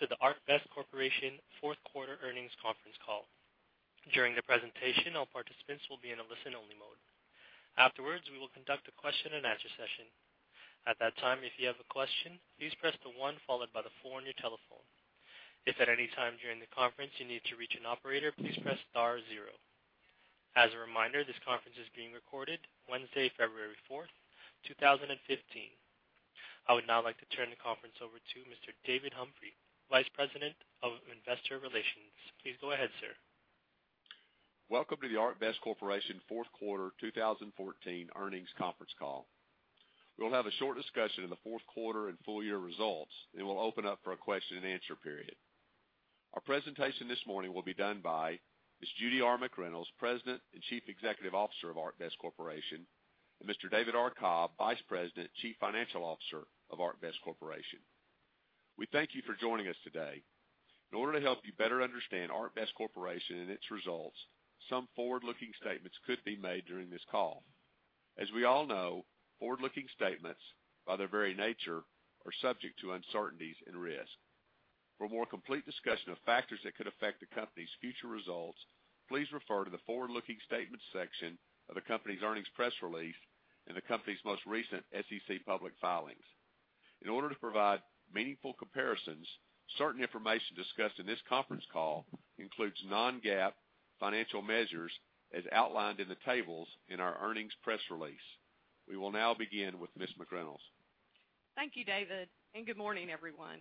Welcome to the ArcBest Corporation fourth quarter earnings conference call. During the presentation, all participants will be in a listen-only mode. Afterwards, we will conduct a question-and-answer session. At that time, if you have a question, please press the one followed by the phone on your telephone. If at any time during the conference you need to reach an operator, please press star zero. As a reminder, this conference is being recorded Wednesday, 4th February, 2015. I would now like to turn the conference over to Mr. David Humphrey, Vice President of Investor Relations. Please go ahead, sir. Welcome to the ArcBest Corporation fourth quarter 2014 earnings conference call. We'll have a short discussion in the fourth quarter and full-year results, then we'll open up for a question-and-answer period. Our presentation this morning will be done by Ms. Judy R. McReynolds, President and Chief Executive Officer of ArcBest Corporation, and Mr. David R. Cobb, Vice President, Chief Financial Officer of ArcBest Corporation. We thank you for joining us today. In order to help you better understand ArcBest Corporation and its results, some forward-looking statements could be made during this call. As we all know, forward-looking statements, by their very nature, are subject to uncertainties and risk. For a more complete discussion of factors that could affect the company's future results, please refer to the forward-looking statements section of the company's earnings press release and the company's most recent SEC public filings. In order to provide meaningful comparisons, certain information discussed in this conference call includes non-GAAP financial measures as outlined in the tables in our earnings press release. We will now begin with Ms. McReynolds. Thank you, David, and good morning, everyone.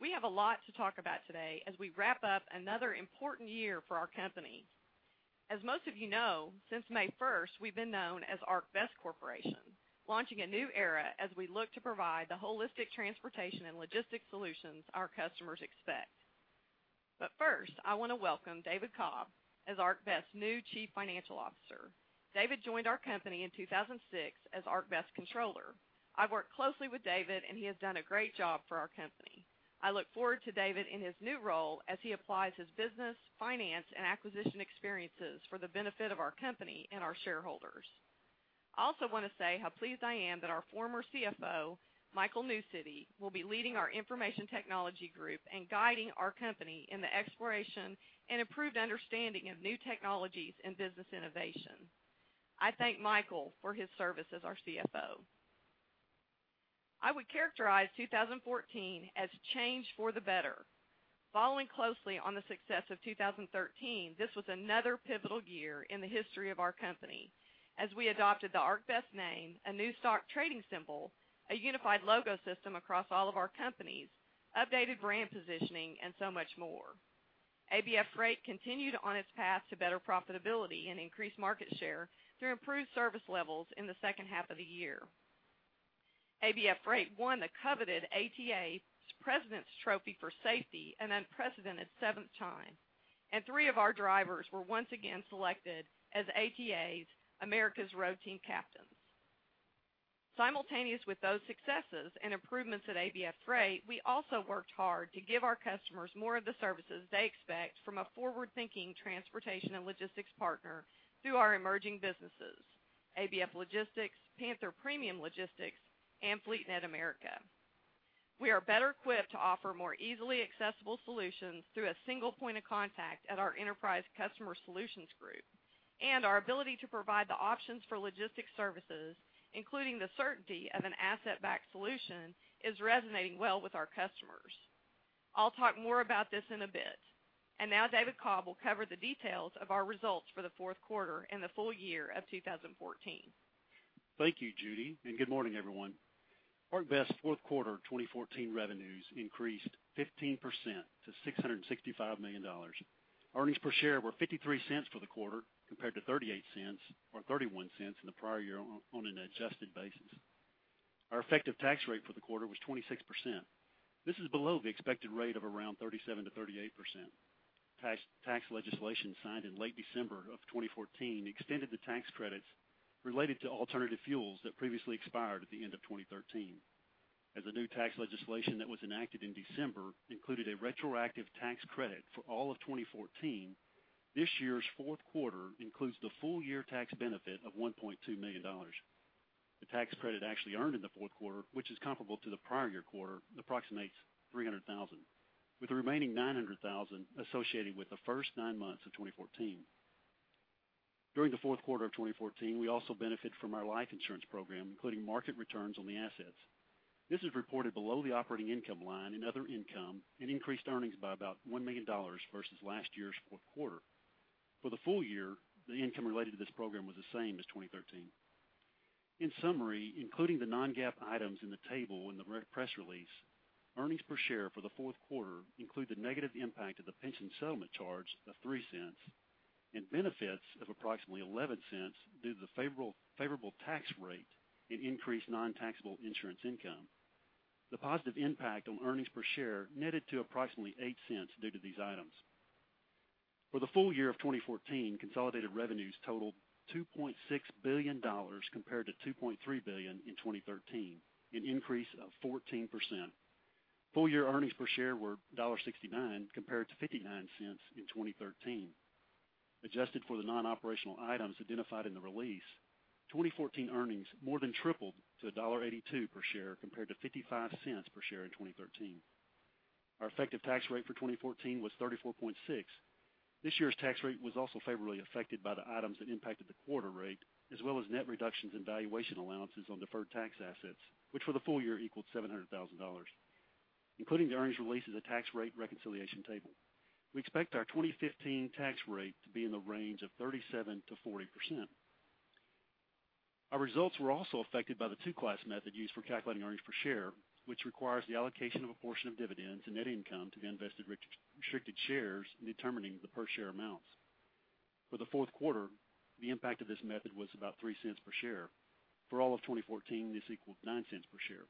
We have a lot to talk about today as we wrap up another important year for our company. As most of you know, since May 1st, we've been known as ArcBest Corporation, launching a new era as we look to provide the holistic transportation and logistics solutions our customers expect. But first, I want to welcome David Cobb as ArcBest's new Chief Financial Officer. David joined our company in 2006 as ArcBest Controller. I've worked closely with David, and he has done a great job for our company. I look forward to David in his new role as he applies his business, finance, and acquisition experiences for the benefit of our company and our shareholders. I also want to say how pleased I am that our former CFO, Michael Newcity, will be leading our information technology group and guiding our company in the exploration and improved understanding of new technologies and business innovation. I thank Michael for his service as our CFO. I would characterize 2014 as change for the better. Following closely on the success of 2013, this was another pivotal year in the history of our company as we adopted the ArcBest name, a new stock trading symbol, a unified logo system across all of our companies, updated brand positioning, and so much more. ABF Freight continued on its path to better profitability and increased market share through improved service levels in the second half of the year. ABF Freight won the coveted ATA's President's Trophy for Safety an unprecedented seventh time, and three of our drivers were once again selected as ATA's America's Road Team Captains. Simultaneous with those successes and improvements at ABF Freight, we also worked hard to give our customers more of the services they expect from a forward-thinking transportation and logistics partner through our emerging businesses: ABF Logistics, Panther Premium Logistics, and FleetNet America. We are better equipped to offer more easily accessible solutions through a single point of contact at our Enterprise Customer Solutions Group, and our ability to provide the options for logistics services, including the certainty of an asset-backed solution, is resonating well with our customers. I'll talk more about this in a bit, and now David Cobb will cover the details of our results for the fourth quarter and the full year of 2014. Thank you, Judy, and good morning, everyone. ArcBest's fourth quarter 2014 revenues increased 15% to $665 million. Earnings per share were $0.53 for the quarter, compared to $0.38 or $0.31 in the prior year on an adjusted basis. Our effective tax rate for the quarter was 26%. This is below the expected rate of around 37%-38%. Tax legislation signed in late December of 2014 extended the tax credits related to alternative fuels that previously expired at the end of 2013. As the new tax legislation that was enacted in December included a retroactive tax credit for all of 2014, this year's fourth quarter includes the full-year tax benefit of $1.2 million. The tax credit actually earned in the fourth quarter, which is comparable to the prior year quarter, approximates $300,000, with the remaining $900,000 associated with the first nine months of 2014. During the fourth quarter of 2014, we also benefited from our life insurance program, including market returns on the assets. This is reported below the operating income line in other income and increased earnings by about $1 million versus last year's fourth quarter. For the full year, the income related to this program was the same as 2013. In summary, including the non-GAAP items in the table in the press release, earnings per share for the fourth quarter include the negative impact of the pension settlement charge, of $0.03, and benefits of approximately $0.11 due to the favorable tax rate and increased non-taxable insurance income. The positive impact on earnings per share netted to approximately $0.08 due to these items. For the full year of 2014, consolidated revenues totaled $2.6 billion compared to $2.3 billion in 2013, an increase of 14%. Full-year earnings per share were $1.69 compared to $0.59 in 2013. Adjusted for the non-operational items identified in the release, 2014 earnings more than tripled to $1.82 per share compared to $0.55 per share in 2013. Our effective tax rate for 2014 was 34.6%. This year's tax rate was also favorably affected by the items that impacted the quarter rate, as well as net reductions in valuation allowances on deferred tax assets, which for the full year equaled $700,000. Including the earnings release is a tax rate reconciliation table. We expect our 2015 tax rate to be in the range of 37%-40%. Our results were also affected by the Two-Class Method used for calculating earnings per share, which requires the allocation of a portion of dividends and net income to the invested restricted shares in determining the per-share amounts. For the fourth quarter, the impact of this method was about $0.03 per share. For all of 2014, this equaled $0.09 per share.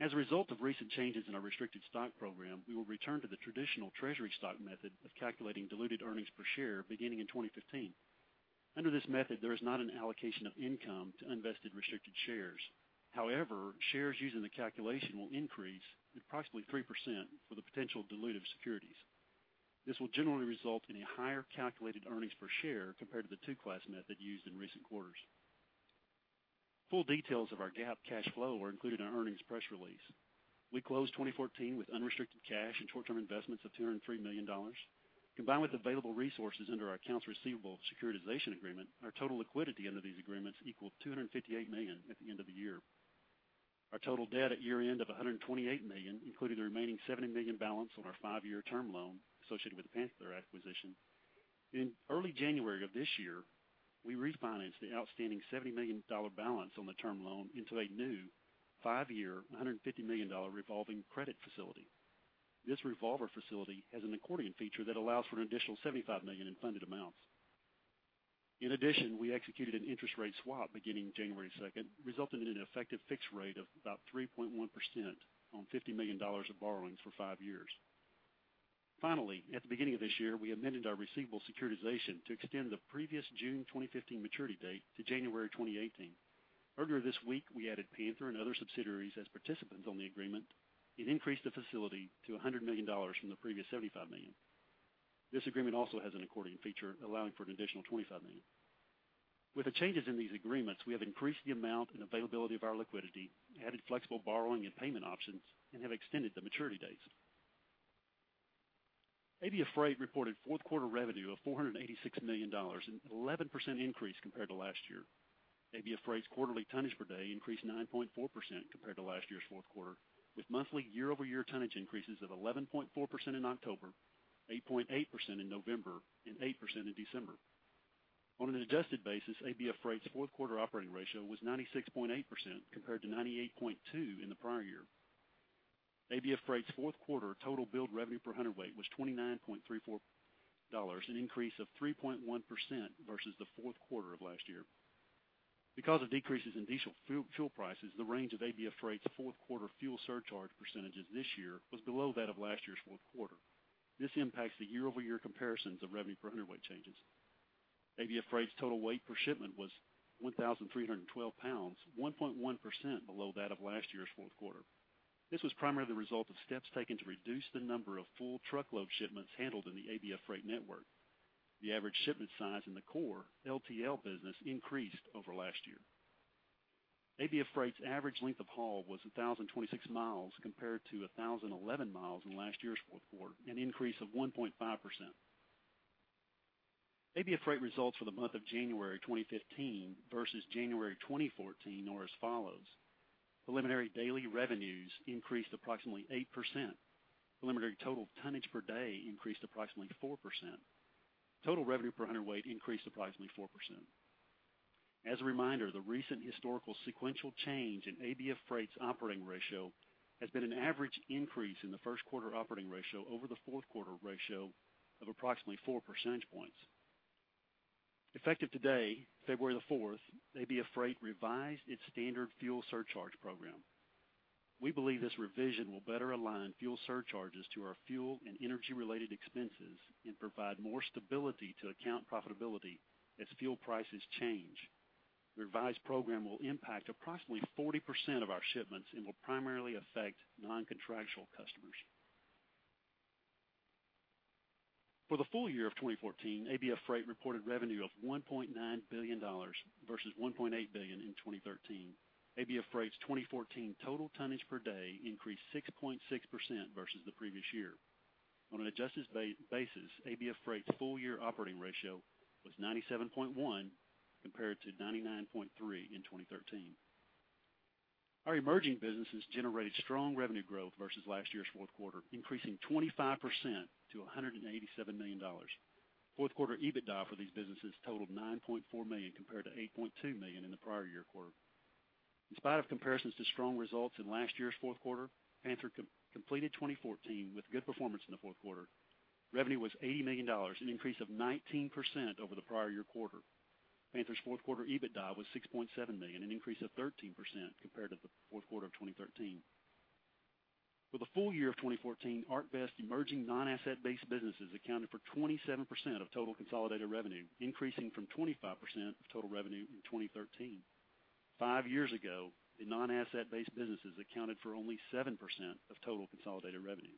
As a result of recent changes in our restricted stock program, we will return to the traditional Treasury Stock Method of calculating diluted earnings per share beginning in 2015. Under this method, there is not an allocation of income to unvested restricted shares. However, shares used in the calculation will increase at approximately 3% for the potential diluted securities. This will generally result in a higher calculated earnings per share compared to the Two-Class Method used in recent quarters. Full details of our GAAP cash flow are included in our earnings press release. We closed 2014 with unrestricted cash and short-term investments of $203 million. Combined with available resources under our accounts receivable securitization agreement, our total liquidity under these agreements equaled $258 million at the end of the year. Our total debt at year-end of $128 million, including the remaining $70 million balance on our five-year term loan associated with the Panther acquisition. In early January of this year, we refinanced the outstanding $70 million balance on the term loan into a new five-year $150 million revolving credit facility. This revolver facility has an accordion feature that allows for an additional $75 million in funded amounts. In addition, we executed an interest rate swap beginning January 2nd, resulting in an effective fixed rate of about 3.1% on $50 million of borrowings for five years. Finally, at the beginning of this year, we amended our receivable securitization to extend the previous June 2015 maturity date to January 2018. Earlier this week, we added Panther and other subsidiaries as participants on the agreement, and increased the facility to $100 million from the previous $75 million. This agreement also has an accordion feature allowing for an additional $25 million. With the changes in these agreements, we have increased the amount and availability of our liquidity, added flexible borrowing and payment options, and have extended the maturity dates. ABF Freight reported fourth quarter revenue of $486 million, an 11% increase compared to last year. ABF Freight's quarterly tonnage per day increased 9.4% compared to last year's fourth quarter, with monthly year-over-year tonnage increases of 11.4% in October, 8.8% in November, and 8% in December. On an adjusted basis, ABF Freight's fourth quarter operating ratio was 96.8% compared to 98.2% in the prior year. ABF Freight's fourth quarter total billed revenue per hundredweight was $29.34, an increase of 3.1% versus the fourth quarter of last year. Because of decreases in diesel fuel prices, the range of ABF Freight's fourth quarter fuel surcharge percentages this year was below that of last year's fourth quarter. This impacts the year-over-year comparisons of revenue per hundredweight changes. ABF Freight's total weight per shipment was 1,312 pounds, 1.1% below that of last year's fourth quarter. This was primarily the result of steps taken to reduce the number of full truckload shipments handled in the ABF Freight network. The average shipment size in the core LTL business increased over last year. ABF Freight's average length of haul was 1,026 miles compared to 1,011 miles in last year's fourth quarter, an increase of 1.5%. ABF Freight results for the month of January 2015 versus January 2014 are as follows: Preliminary daily revenues increased approximately 8%. Preliminary total tonnage per day increased approximately 4%. Total revenue per hundredweight increased approximately 4%. As a reminder, the recent historical sequential change in ABF Freight's operating ratio has been an average increase in the first quarter operating ratio over the fourth quarter ratio of approximately four percentage points. Effective today, 4th February, ABF Freight revised its standard fuel surcharge program. We believe this revision will better align fuel surcharges to our fuel and energy-related expenses and provide more stability to account profitability as fuel prices change. The revised program will impact approximately 40% of our shipments and will primarily affect non-contractual customers. For the full year of 2014, ABF Freight reported revenue of $1.9 billion versus $1.8 billion in 2013. ABF Freight's 2014 total tonnage per day increased 6.6% versus the previous year. On an adjusted basis, ABF Freight's full-year operating ratio was 97.1% compared to 99.3% in 2013. Our emerging businesses generated strong revenue growth versus last year's fourth quarter, increasing 25% to $187 million. Fourth quarter EBITDA for these businesses totaled $9.4 million compared to $8.2 million in the prior year quarter. In spite of comparisons to strong results in last year's fourth quarter, Panther completed 2014 with good performance in the fourth quarter. Revenue was $80 million, an increase of 19% over the prior year quarter. Panther's fourth quarter EBITDA was $6.7 million, an increase of 13% compared to the fourth quarter of 2013. For the full year of 2014, ArcBest's emerging non-asset-based businesses accounted for 27% of total consolidated revenue, increasing from 25% of total revenue in 2013. Five years ago, the non-asset-based businesses accounted for only 7% of total consolidated revenue.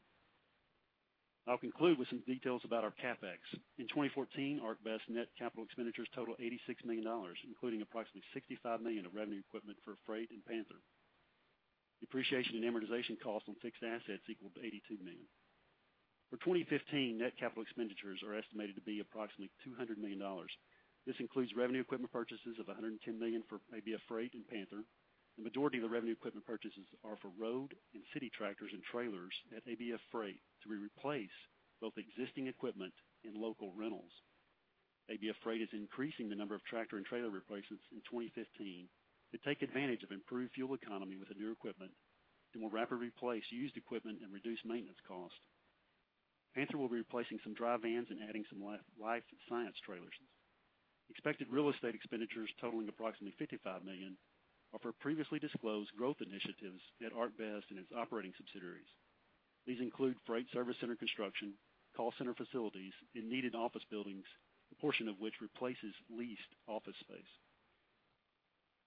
I'll conclude with some details about our CapEx. In 2014, ArcBest's net capital expenditures totaled $86 million, including approximately $65 million of revenue equipment for Freight and Panther. Depreciation and amortization costs on fixed assets equaled to $82 million. For 2015, net capital expenditures are estimated to be approximately $200 million. This includes revenue equipment purchases of $110 million for ABF Freight and Panther. The majority of the revenue equipment purchases are for road and city tractors and trailers at ABF Freight to replace both existing equipment and local rentals. ABF Freight is increasing the number of tractor and trailer replacements in 2015 to take advantage of improved fuel economy with the new equipment, to more rapidly replace used equipment, and reduce maintenance costs. Panther will be replacing some dry vans and adding some life science trailers. Expected real estate expenditures totaling approximately $55 million are for previously disclosed growth initiatives at ArcBest and its operating subsidiaries. These include freight service center construction, call center facilities, and needed office buildings, a portion of which replaces leased office space.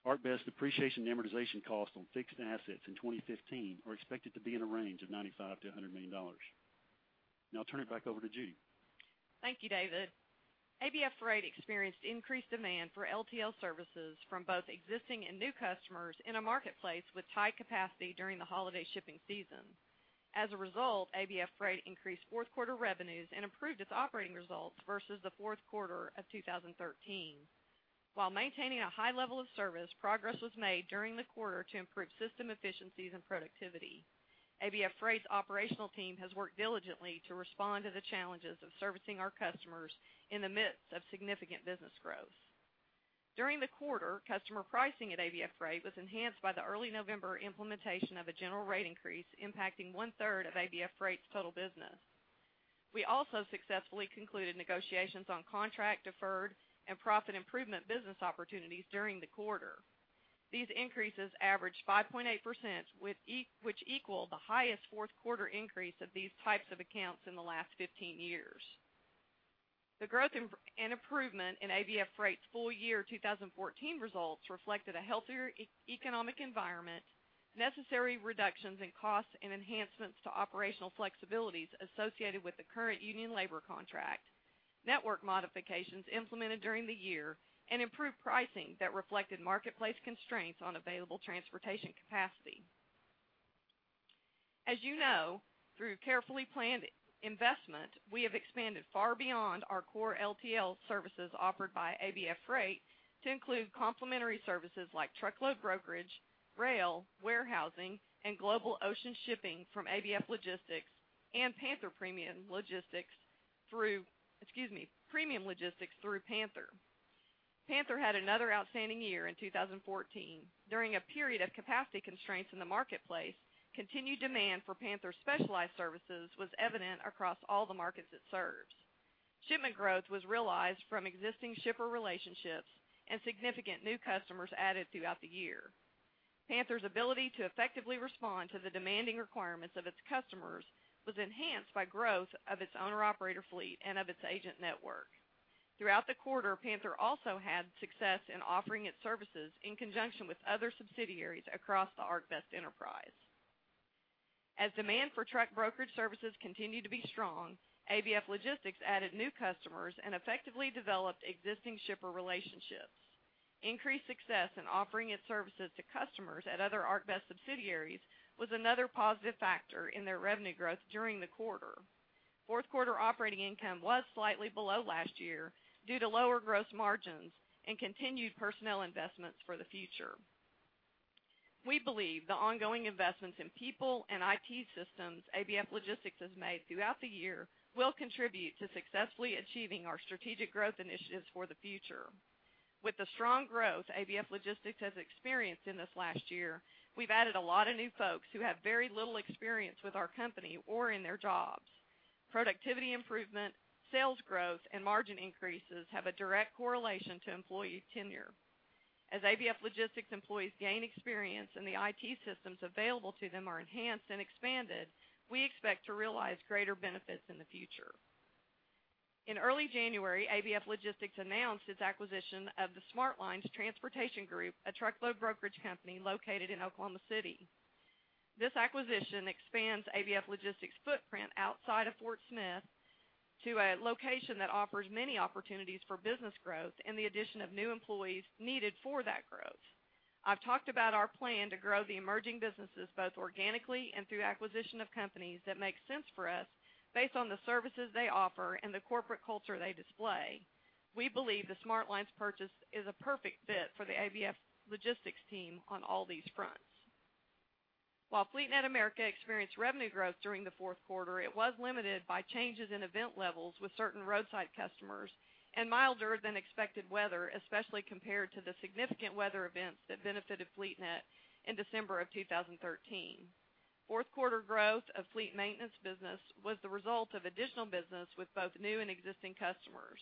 ArcBest's depreciation and amortization costs on fixed assets in 2015 are expected to be in a range of $95 million-$100 million. Now, I'll turn it back over to Judy. Thank you, David. ABF Freight experienced increased demand for LTL services from both existing and new customers in a marketplace with tight capacity during the holiday shipping season. As a result, ABF Freight increased fourth quarter revenues and improved its operating results versus the fourth quarter of 2013. While maintaining a high level of service, progress was made during the quarter to improve system efficiencies and productivity. ABF Freight's operational team has worked diligently to respond to the challenges of servicing our customers in the midst of significant business growth. During the quarter, customer pricing at ABF Freight was enhanced by the early November implementation of a general rate increase impacting one-third of ABF Freight's total business. We also successfully concluded negotiations on contract deferred and profit improvement business opportunities during the quarter. These increases averaged 5.8%, which equaled the highest fourth quarter increase of these types of accounts in the last 15 years. The growth and improvement in ABF Freight's full year 2014 results reflected a healthier economic environment, necessary reductions in costs and enhancements to operational flexibilities associated with the current union labor contract, network modifications implemented during the year, and improved pricing that reflected marketplace constraints on available transportation capacity. As you know, through carefully planned investment, we have expanded far beyond our core LTL services offered by ABF Freight to include complementary services like truckload brokerage, rail, warehousing, and global ocean shipping from ABF Logistics and Panther Premium Logistics through Panther. Panther had another outstanding year in 2014. During a period of capacity constraints in the marketplace, continued demand for Panther's specialized services was evident across all the markets it serves. Shipment growth was realized from existing shipper relationships and significant new customers added throughout the year. Panther's ability to effectively respond to the demanding requirements of its customers was enhanced by growth of its owner-operator fleet and of its agent network. Throughout the quarter, Panther also had success in offering its services in conjunction with other subsidiaries across the ArcBest enterprise. As demand for truck brokerage services continued to be strong, ABF Logistics added new customers and effectively developed existing shipper relationships. Increased success in offering its services to customers at other ArcBest subsidiaries was another positive factor in their revenue growth during the quarter. Fourth quarter operating income was slightly below last year due to lower gross margins and continued personnel investments for the future. We believe the ongoing investments in people and IT systems ABF Logistics has made throughout the year will contribute to successfully achieving our strategic growth initiatives for the future. With the strong growth ABF Logistics has experienced in this last year, we've added a lot of new folks who have very little experience with our company or in their jobs. Productivity improvement, sales growth, and margin increases have a direct correlation to employee tenure. As ABF Logistics employees gain experience and the IT systems available to them are enhanced and expanded, we expect to realize greater benefits in the future. In early January, ABF Logistics announced its acquisition of the Smart Lines Transportation Group, a truckload brokerage company located in Oklahoma City. This acquisition expands ABF Logistics' footprint outside of Fort Smith to a location that offers many opportunities for business growth and the addition of new employees needed for that growth. I've talked about our plan to grow the emerging businesses both organically and through acquisition of companies that make sense for us based on the services they offer and the corporate culture they display. We believe the Smart Lines purchase is a perfect fit for the ABF Logistics team on all these fronts. While FleetNet America experienced revenue growth during the fourth quarter, it was limited by changes in event levels with certain roadside customers and milder than expected weather, especially compared to the significant weather events that benefited FleetNet in December of 2013. Fourth quarter growth of Fleet Maintenance business was the result of additional business with both new and existing customers.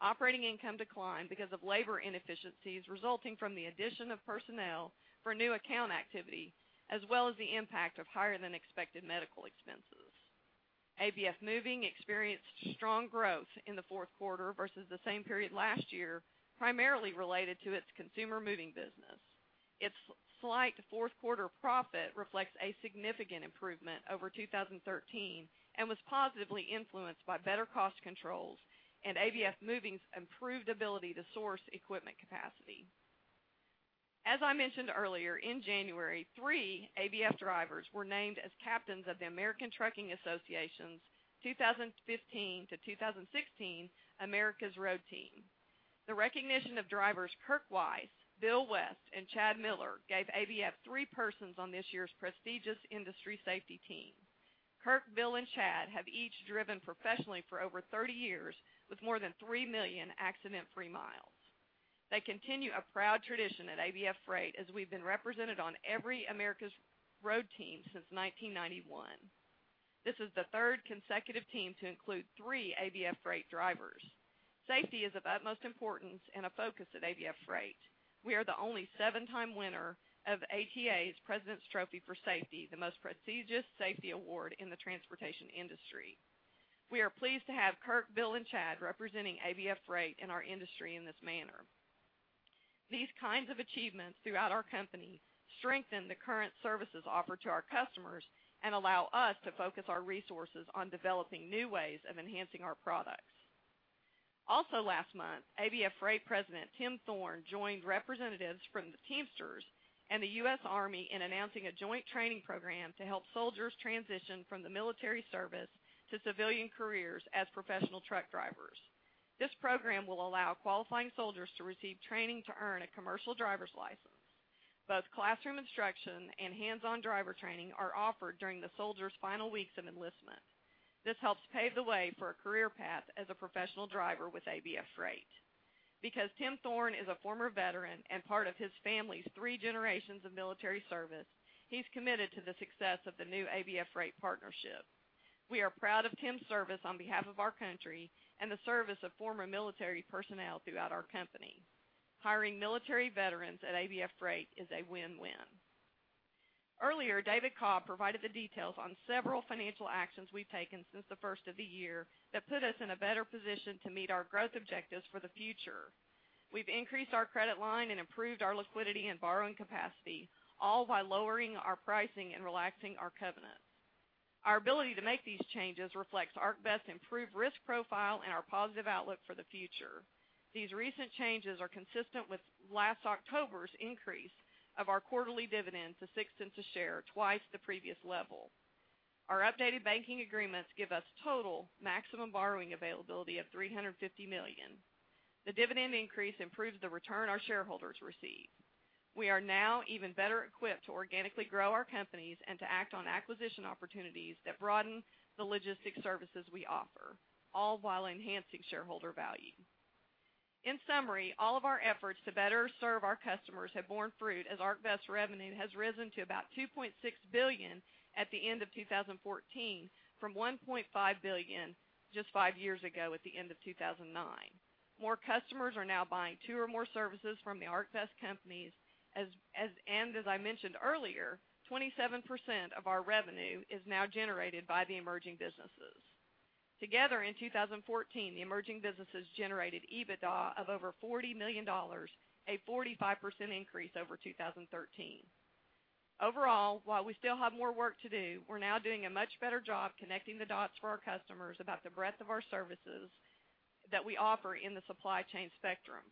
Operating income declined because of labor inefficiencies resulting from the addition of personnel for new account activity, as well as the impact of higher than expected medical expenses. ABF Moving experienced strong growth in the fourth quarter versus the same period last year, primarily related to its consumer moving business. Its slight fourth quarter profit reflects a significant improvement over 2013 and was positively influenced by better cost controls and ABF Moving's improved ability to source equipment capacity. As I mentioned earlier, in January, three ABF drivers were named as captains of the American Trucking Associations' 2015-2016 America's Road Team. The recognition of drivers Kirk Weiss, Bill West, and Chad Miller gave ABF three persons on this year's prestigious industry safety team. Kirk, Bill, and Chad have each driven professionally for over 30 years with more than 3 million accident-free miles. They continue a proud tradition at ABF Freight as we've been represented on every America's Road Team since 1991. This is the third consecutive team to include three ABF Freight drivers. Safety is of utmost importance and a focus at ABF Freight. We are the only seven-time winner of ATA's President's Trophy for Safety, the most prestigious safety award in the transportation industry. We are pleased to have Kirk, Bill, and Chad representing ABF Freight and our industry in this manner. These kinds of achievements throughout our company strengthen the current services offered to our customers and allow us to focus our resources on developing new ways of enhancing our products. Also, last month, ABF Freight President Tim Thorne joined representatives from the Teamsters and the U.S. Army in announcing a joint training program to help soldiers transition from the military service to civilian careers as professional truck drivers. This program will allow qualifying soldiers to receive training to earn a commercial driver's license. Both classroom instruction and hands-on driver training are offered during the soldier's final weeks of enlistment. This helps pave the way for a career path as a professional driver with ABF Freight. Because Tim Thorne is a former veteran and part of his family's three generations of military service, he's committed to the success of the new ABF Freight partnership. We are proud of Tim's service on behalf of our country and the service of former military personnel throughout our company. Hiring military veterans at ABF Freight is a win-win. Earlier, David Cobb provided the details on several financial actions we've taken since the first of the year that put us in a better position to meet our growth objectives for the future. We've increased our credit line and improved our liquidity and borrowing capacity, all by lowering our pricing and relaxing our covenants. Our ability to make these changes reflects ArcBest's improved risk profile and our positive outlook for the future. These recent changes are consistent with last October's increase of our quarterly dividend to six cents a share, twice the previous level. Our updated banking agreements give us total maximum borrowing availability of $350 million. The dividend increase improves the return our shareholders receive. We are now even better equipped to organically grow our companies and to act on acquisition opportunities that broaden the logistics services we offer, all while enhancing shareholder value. In summary, all of our efforts to better serve our customers have borne fruit as ArcBest's revenue has risen to about $2.6 billion at the end of 2014 from $1.5 billion just five years ago at the end of 2009. More customers are now buying two or more services from the ArcBest companies, and as I mentioned earlier, 27% of our revenue is now generated by the emerging businesses. Together, in 2014, the emerging businesses generated EBITDA of over $40 million, a 45% increase over 2013. Overall, while we still have more work to do, we're now doing a much better job connecting the dots for our customers about the breadth of our services that we offer in the supply chain spectrum.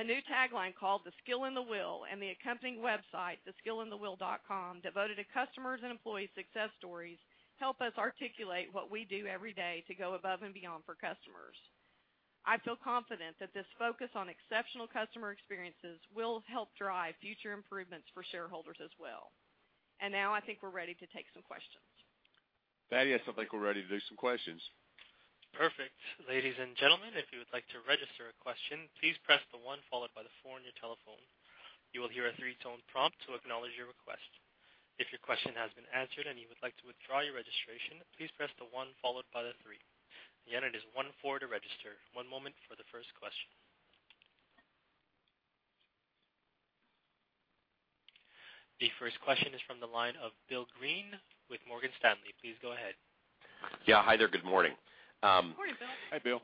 A new tagline called "The Skill & The Will" and the accompanying website, theskillandthewill.com, devoted to customers and employee success stories, help us articulate what we do every day to go above and beyond for customers. I feel confident that this focus on exceptional customer experiences will help drive future improvements for shareholders as well. And now I think we're ready to take some questions. Thaddeus, I think we're ready to do some questions. Perfect. Ladies and gentlemen, if you would like to register a question, please press the one followed by the phone on your telephone. You will hear a three-tone prompt to acknowledge your request. If your question has been answered and you would like to withdraw your registration, please press the one followed by the three. Again, it is one-four to register. One moment for the first question. The first question is from the line of William Greene with Morgan Stanley. Please go ahead. Yeah, hi there. Good morning. Good morning, Bill. Hi, Bill.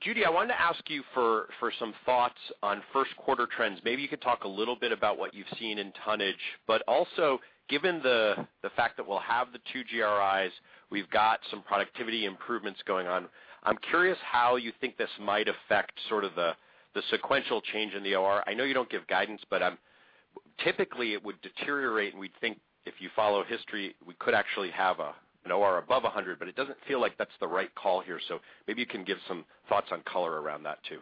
Judy, I wanted to ask you for some thoughts on first quarter trends. Maybe you could talk a little bit about what you've seen in tonnage, but also given the fact that we'll have the two GRIs, we've got some productivity improvements going on. I'm curious how you think this might affect sort of the sequential change in the OR. I know you don't give guidance, but I'm typically it would deteriorate, and we'd think if you follow history, we could actually have an OR above 100, but it doesn't feel like that's the right call here. So maybe you can give some thoughts on color around that too.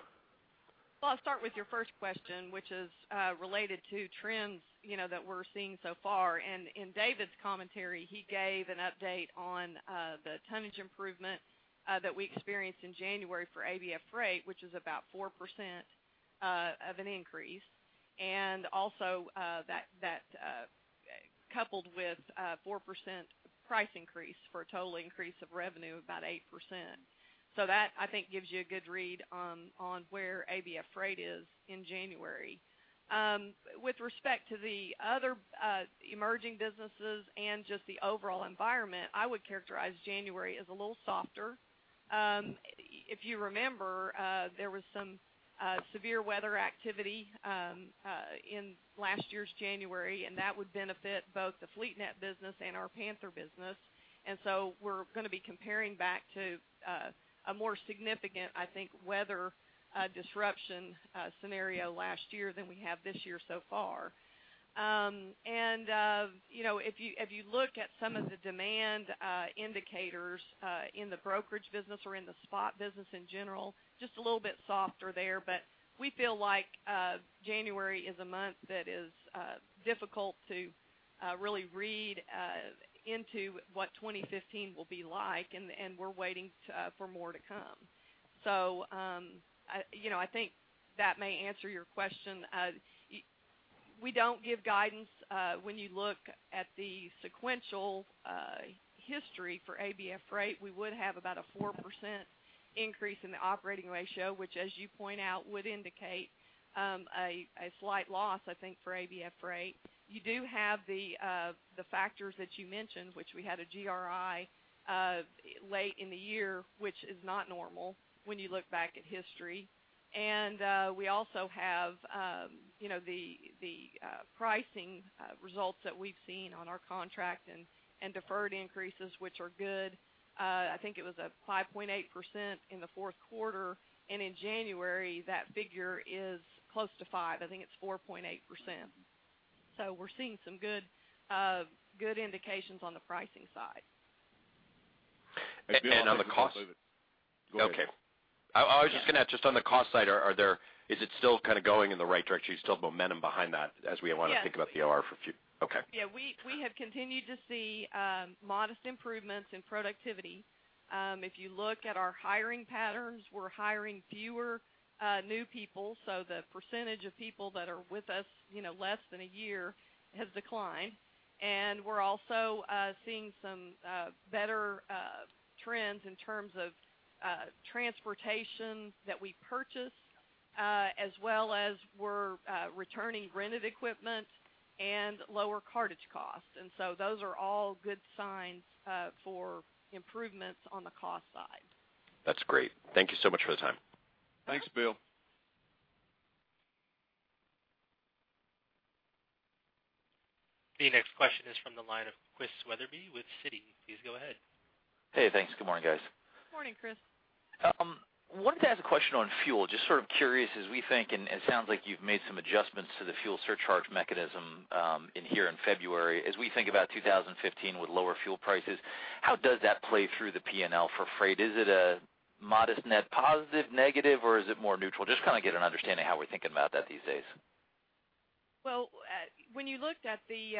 Well, I'll start with your first question, which is related to trends, you know, that we're seeing so far. In David's commentary, he gave an update on the tonnage improvement that we experienced in January for ABF Freight, which is about 4% of an increase. Also, that coupled with 4% price increase for total increase of revenue, about 8%. So that, I think, gives you a good read on where ABF Freight is in January. With respect to the other emerging businesses and just the overall environment, I would characterize January as a little softer. If you remember, there was some severe weather activity in last year's January, and that would benefit both the FleetNet business and our Panther business. So we're going to be comparing back to a more significant, I think, weather disruption scenario last year than we have this year so far. You know, if you look at some of the demand indicators in the brokerage business or in the spot business in general, just a little bit softer there, but we feel like January is a month that is difficult to really read into what 2015 will be like, and we're waiting for more to come. So, you know, I think that may answer your question why we don't give guidance, when you look at the sequential history for ABF Freight. We would have about a 4% increase in the operating ratio, which, as you point out, would indicate a slight loss, I think, for ABF Freight. You do have the factors that you mentioned, which we had a GRI late in the year, which is not normal when you look back at history. We also have, you know, the pricing results that we've seen on our contract and deferred increases, which are good. I think it was 5.8% in the fourth quarter, and in January, that figure is close to 5%. I think it's 4.8%. So we're seeing some good indications on the pricing side. On the cost. On the movement. Go ahead. Okay. I was just going to ask, just on the cost side, is it still kind of going in the right direction? Is there still momentum behind that as we want to think about the OR for a few. Yeah. Okay. Yeah. We have continued to see modest improvements in productivity. If you look at our hiring patterns, we're hiring fewer new people, so the percentage of people that are with us, you know, less than a year has declined. And we're also seeing some better trends in terms of transportation that we purchase, as well as we're returning rented equipment and lower cartage costs. And so those are all good signs for improvements on the cost side. That's great. Thank you so much for the time. Thanks, Bill. The next question is from the line of Chris Wetherbee with Citi. Please go ahead. Hey, thanks. Good morning, guys. Good morning, Chris. Wanted to ask a question on fuel. Just sort of curious, as we think and it sounds like you've made some adjustments to the fuel surcharge mechanism earlier in February. As we think about 2015 with lower fuel prices, how does that play through the P&L for freight? Is it a modest net positive, negative, or is it more neutral? Just kind of get an understanding how we're thinking about that these days. Well, when you looked at the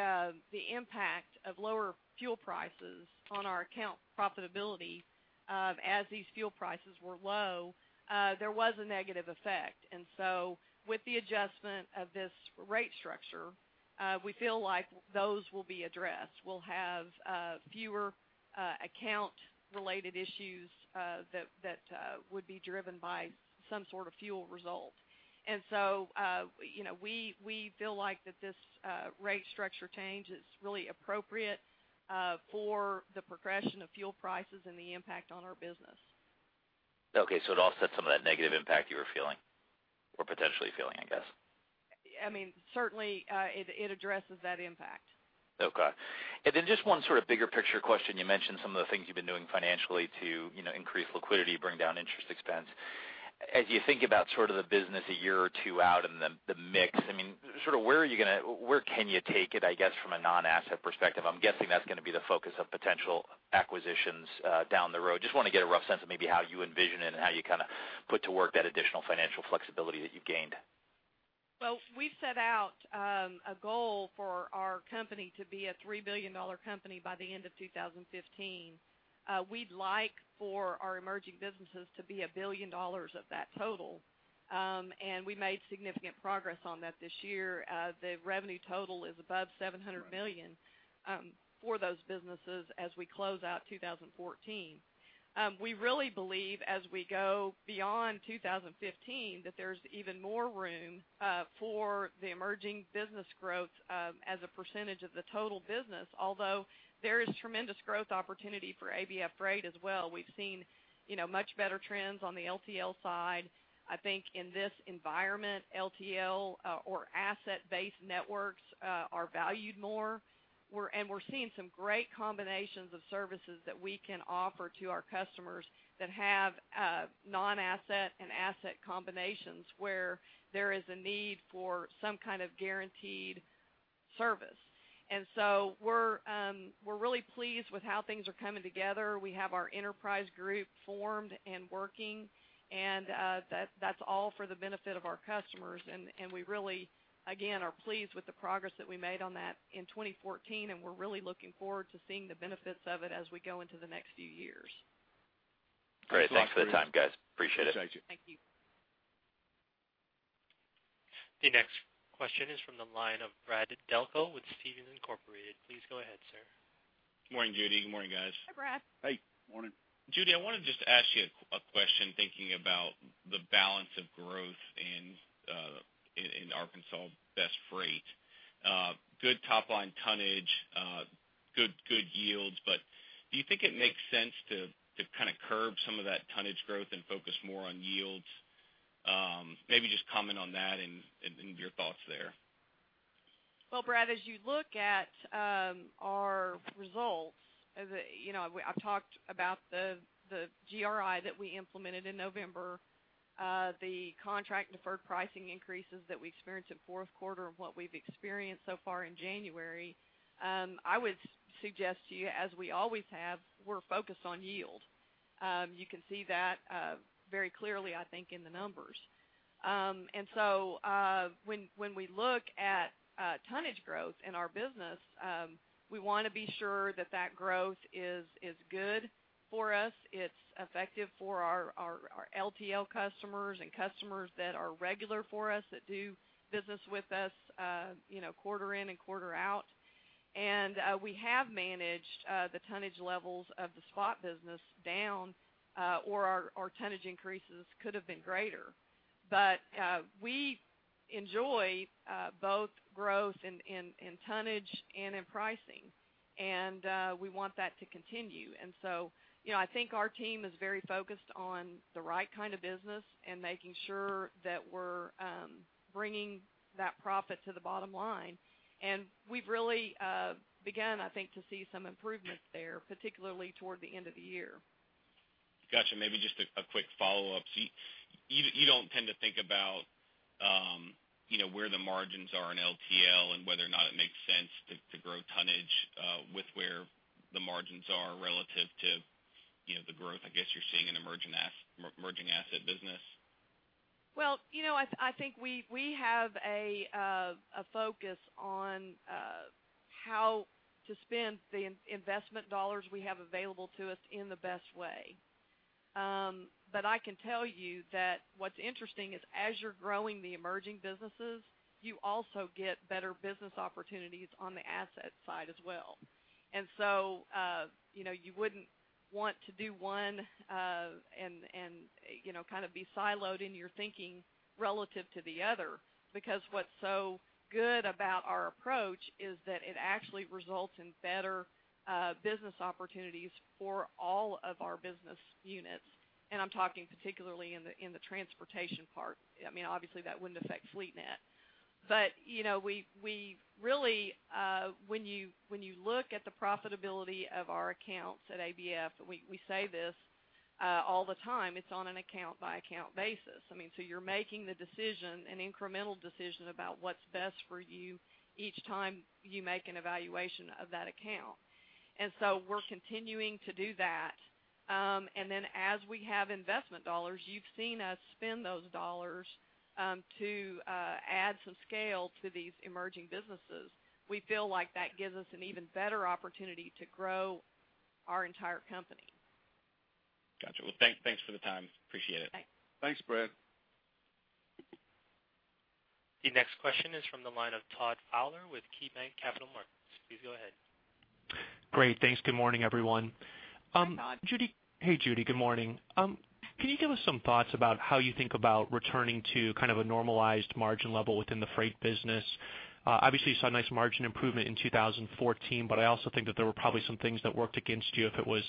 impact of lower fuel prices on our account profitability, as these fuel prices were low, there was a negative effect. And so with the adjustment of this rate structure, we feel like those will be addressed. We'll have fewer account-related issues that would be driven by some sort of fuel result. And so, you know, we feel like that this rate structure change is really appropriate for the progression of fuel prices and the impact on our business. Okay. So it offsets some of that negative impact you were feeling or potentially feeling, I guess. I mean, certainly, it addresses that impact. Okay. Then just one sort of bigger picture question. You mentioned some of the things you've been doing financially to, you know, increase liquidity, bring down interest expense. As you think about sort of the business a year or two out and the mix, I mean, sort of where are you going to where can you take it, I guess, from a non-asset perspective? I'm guessing that's going to be the focus of potential acquisitions, down the road. Just want to get a rough sense of maybe how you envision it and how you kind of put to work that additional financial flexibility that you've gained. Well, we've set out a goal for our company to be a $3 billion company by the end of 2015. We'd like for our emerging businesses to be $1 billion of that total. We made significant progress on that this year. The revenue total is above $700 million for those businesses as we close out 2014. We really believe as we go beyond 2015 that there's even more room for the emerging business growth as a percentage of the total business, although there is tremendous growth opportunity for ABF Freight as well. We've seen, you know, much better trends on the LTL side. I think in this environment, LTL or asset-based networks are valued more. We're seeing some great combinations of services that we can offer to our customers that have non-asset and asset combinations where there is a need for some kind of guaranteed service. And so we're really pleased with how things are coming together. We have our enterprise group formed and working, and that that's all for the benefit of our customers. And we really, again, are pleased with the progress that we made on that in 2014, and we're really looking forward to seeing the benefits of it as we go into the next few years. Great. Thanks for the time, guys. Appreciate it. Thank you. Thank you. The next question is from the line of Brad Delco with Stephens Inc. Please go ahead, sir. Good morning, Judy. Good morning, guys. Hi, Brad. Hey. Good morning. Judy, I wanted just to ask you a question thinking about the balance of growth in Arkansas Best Freight. Good top-line tonnage, good yields, but do you think it makes sense to kind of curb some of that tonnage growth and focus more on yields? Maybe just comment on that and your thoughts there. Well, Brad, as you look at our results, you know, we've talked about the GRI that we implemented in November, the contract-deferred pricing increases that we experienced in fourth quarter and what we've experienced so far in January. I would suggest to you, as we always have, we're focused on yield. You can see that very clearly, I think, in the numbers. And so, when we look at tonnage growth in our business, we want to be sure that that growth is good for us. It's effective for our LTL customers and customers that are regular for us that do business with us, you know, quarter in and quarter out. And we have managed the tonnage levels of the spot business down, or our tonnage increases could have been greater. But we enjoy both growth in tonnage and in pricing, and we want that to continue. And so, you know, I think our team is very focused on the right kind of business and making sure that we're bringing that profit to the bottom line. And we've really begun, I think, to see some improvements there, particularly toward the end of the year. Gotcha. Maybe just a quick follow-up. So you don't tend to think about, you know, where the margins are in LTL and whether or not it makes sense to grow tonnage, with where the margins are relative to, you know, the growth, I guess, you're seeing in emerging asset business? Well, you know, I think we have a focus on how to spend the investment dollars we have available to us in the best way. But I can tell you that what's interesting is as you're growing the emerging businesses, you also get better business opportunities on the asset side as well. And so, you know, you wouldn't want to do one, and you know, kind of be siloed in your thinking relative to the other because what's so good about our approach is that it actually results in better business opportunities for all of our business units. And I'm talking particularly in the transportation part. I mean, obviously, that wouldn't affect FleetNet. But, you know, we really, when you look at the profitability of our accounts at ABF, we say this all the time, it's on an account-by-account basis. I mean, so you're making the decision, an incremental decision, about what's best for you each time you make an evaluation of that account. And so we're continuing to do that. And then as we have investment dollars, you've seen us spend those dollars to add some scale to these emerging businesses. We feel like that gives us an even better opportunity to grow our entire company. Gotcha. Well, thanks, thanks for the time. Appreciate it. Thanks. Thanks, Brad. The next question is from the line of Todd Fowler with KeyBanc Capital Markets. Please go ahead. Great. Thanks. Good morning, everyone. Hi, Todd. Judy, hey, Judy. Good morning. Can you give us some thoughts about how you think about returning to kind of a normalized margin level within the freight business? Obviously, you saw a nice margin improvement in 2014, but I also think that there were probably some things that worked against you if it was,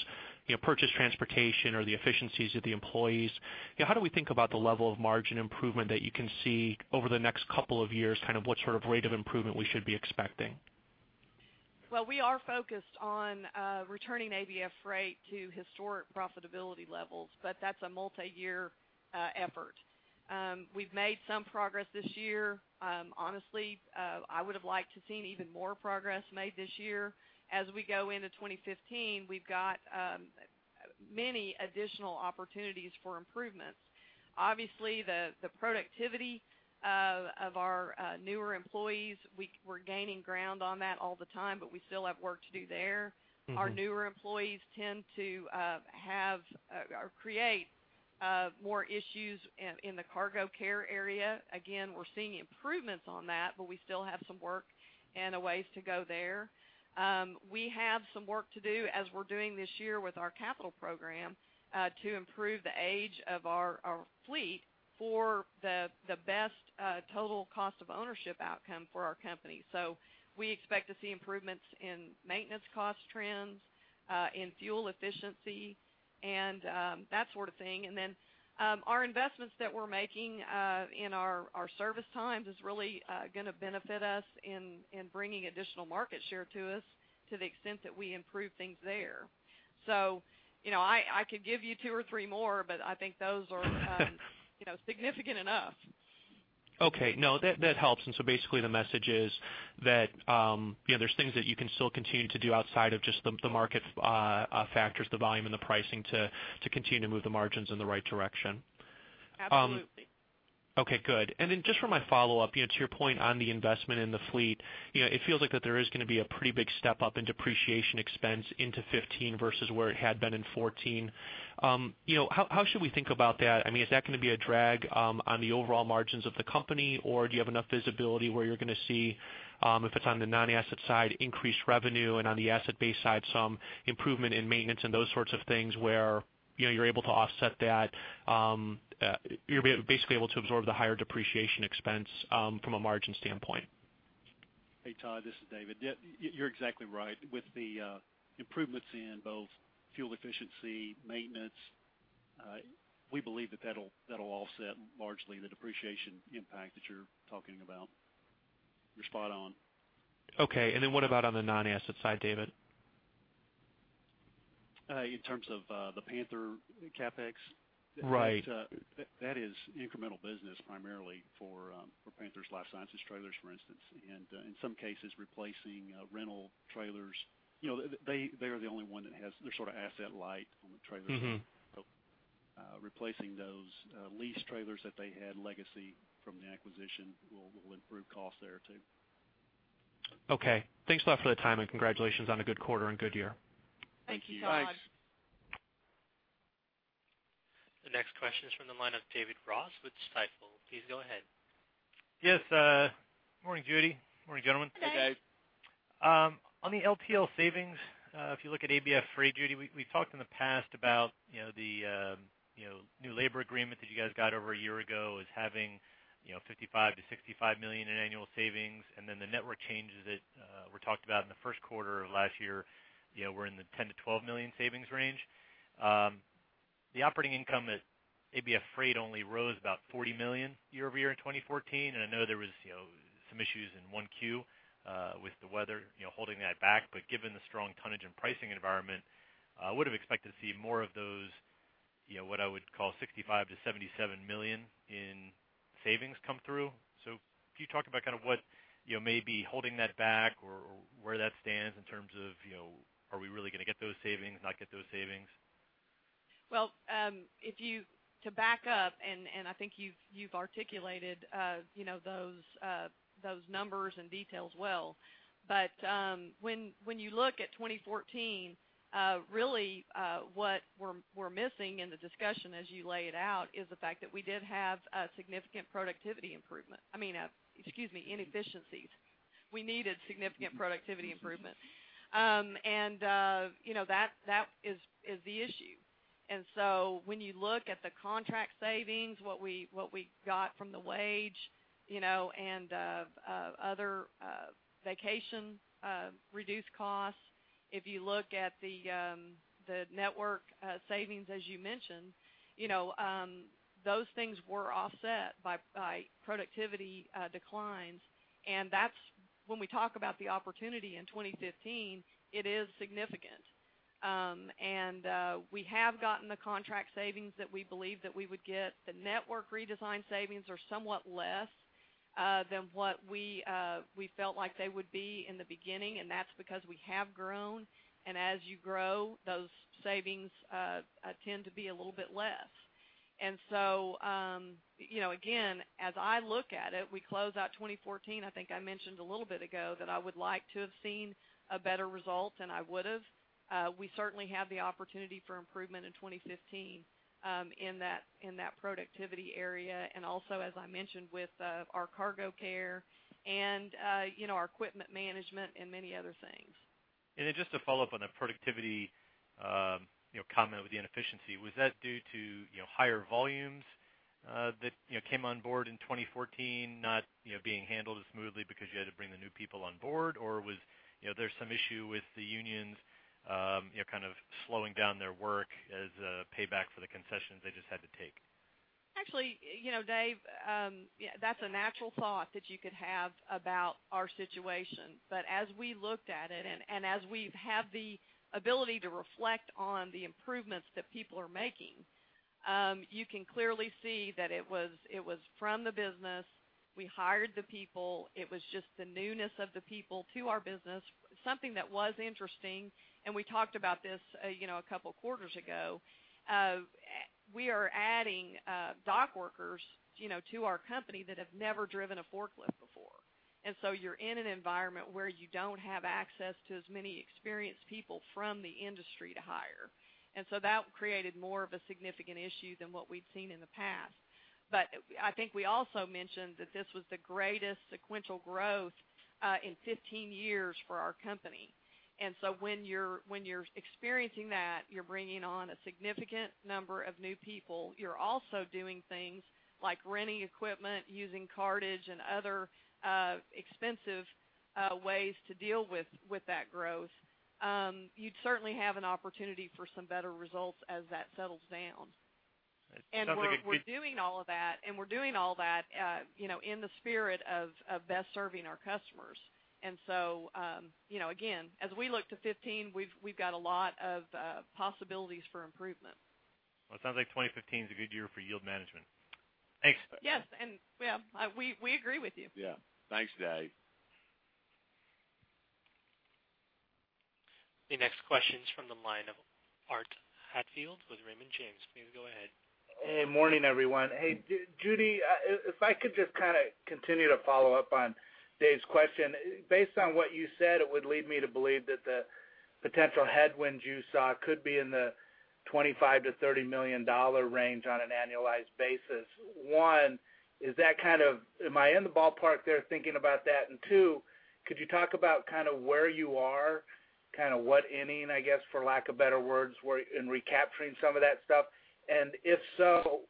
you know, purchased transportation or the efficiencies of the employees. You know, how do we think about the level of margin improvement that you can see over the next couple of years, kind of what sort of rate of improvement we should be expecting? Well, we are focused on returning ABF Freight to historic profitability levels, but that's a multi-year effort. We've made some progress this year. Honestly, I would have liked to seen even more progress made this year. As we go into 2015, we've got many additional opportunities for improvements. Obviously, the productivity of our newer employees, we're gaining ground on that all the time, but we still have work to do there. Our newer employees tend to have or create more issues in the cargo care area. Again, we're seeing improvements on that, but we still have some work and ways to go there. We have some work to do as we're doing this year with our capital program, to improve the age of our fleet for the best total cost of ownership outcome for our company. So we expect to see improvements in maintenance cost trends, in fuel efficiency, and that sort of thing. And then, our investments that we're making in our service times is really going to benefit us in bringing additional market share to us to the extent that we improve things there. So, you know, I could give you two or three more, but I think those are, you know, significant enough. Okay. No, that, that helps. And so basically, the message is that, you know, there's things that you can still continue to do outside of just the, the market, factors, the volume, and the pricing to, to continue to move the margins in the right direction. Absolutely. Okay. Good. And then just for my follow-up, you know, to your point on the investment in the fleet, you know, it feels like that there is going to be a pretty big step up in depreciation expense into 2015 versus where it had been in 2014. You know, how, how should we think about that? I mean, is that going to be a drag on the overall margins of the company, or do you have enough visibility where you're going to see, if it's on the non-asset side, increased revenue and on the asset-based side, some improvement in maintenance and those sorts of things where, you know, you're able to offset that, you're basically able to absorb the higher depreciation expense, from a margin standpoint? Hey, Todd. This is David. Yeah, you're exactly right. With the improvements in both fuel efficiency, maintenance, we believe that that'll, that'll offset largely the depreciation impact that you're talking about. You're spot on. Okay. And then what about on the non-asset side, David? In terms of the Panther CapEx? Right. That is incremental business primarily for Panther's life sciences trailers, for instance, and in some cases, replacing rental trailers. You know, they are the only one that has. They're sort of asset light on the trailers. Mm-hmm. So, replacing those leased trailers that they had legacy from the acquisition will improve costs there too. Okay. Thanks a lot for the time, and congratulations on a good quarter and good year. Thank you, Todd. Thanks. The next question is from the line of David Ross with Stifel. Please go ahead. Yes. Good morning, Judy. Good morning, gentlemen. Hey. Hey, David. On the LTL savings, if you look at ABF Freight, Judy, we talked in the past about, you know, the new labor agreement that you guys got over a year ago is having, you know, $55 million-$65 million in annual savings, and then the network changes that were talked about in the first quarter of last year, you know, we're in the $10 million-$12 million savings range. The operating income at ABF Freight only rose about $40 million year-over-year in 2014, and I know there was, you know, some issues in 1Q, with the weather, you know, holding that back. But given the strong tonnage and pricing environment, I would have expected to see more of those, you know, what I would call $65 million-$77 million in savings come through. So can you talk about kind of what, you know, may be holding that back or, or where that stands in terms of, you know, are we really going to get those savings, not get those savings? Well, if you to back up, and I think you've articulated, you know, those numbers and details well. But when you look at 2014, really, what we're missing in the discussion, as you lay it out, is the fact that we did have a significant productivity improvement. I mean, excuse me, inefficiencies. We needed significant productivity improvement. And you know, that is the issue. And so when you look at the contract savings, what we got from the wage, you know, and other vacation reduced costs, if you look at the network savings, as you mentioned, you know, those things were offset by productivity declines. And that's when we talk about the opportunity in 2015, it is significant. And we have gotten the contract savings that we believe that we would get. The network redesign savings are somewhat less than what we felt like they would be in the beginning, and that's because we have grown. And as you grow, those savings tend to be a little bit less. And so, you know, again, as I look at it, we close out 2014. I think I mentioned a little bit ago that I would like to have seen a better result, and I would have. We certainly have the opportunity for improvement in 2015, in that productivity area and also, as I mentioned, with our cargo care and, you know, our equipment management and many other things. And then just to follow up on the productivity, you know, comment with the inefficiency, was that due to, you know, higher volumes, that, you know, came on board in 2014, not, you know, being handled as smoothly because you had to bring the new people on board, or was, you know, there's some issue with the unions, you know, kind of slowing down their work as a payback for the concessions they just had to take? Actually, you know, Dave, yeah, that's a natural thought that you could have about our situation. But as we looked at it and as we've had the ability to reflect on the improvements that people are making, you can clearly see that it was it was from the business. We hired the people. It was just the newness of the people to our business, something that was interesting. And we talked about this, you know, a couple of quarters ago. We are adding dock workers, you know, to our company that have never driven a forklift before. And so you're in an environment where you don't have access to as many experienced people from the industry to hire. And so that created more of a significant issue than what we'd seen in the past. But I think we also mentioned that this was the greatest sequential growth in 15 years for our company. And so when you're when you're experiencing that, you're bringing on a significant number of new people. You're also doing things like renting equipment, using contractors, and other expensive ways to deal with, with that growth. You'd certainly have an opportunity for some better results as that settles down. It sounds like a good. We're doing all of that, you know, in the spirit of best serving our customers. So, you know, again, as we look to 2015, we've got a lot of possibilities for improvement. Well, it sounds like 2015 is a good year for yield management. Thanks. Yes. Yeah, we agree with you. Yeah. Thanks, Dave. The next question is from the line of Arthur Hatfield with Raymond James. Please go ahead. Hey, morning, everyone. Hey, Judy, if I could just kind of continue to follow up on Dave's question. Based on what you said, it would lead me to believe that the potential headwinds you saw could be in the $25 million-$30 million range on an annualized basis. One, is that kind of am I in the ballpark there thinking about that? And two, could you talk about kind of where you are, kind of what inning, I guess, for lack of better words, where in recapturing some of that stuff? And if so,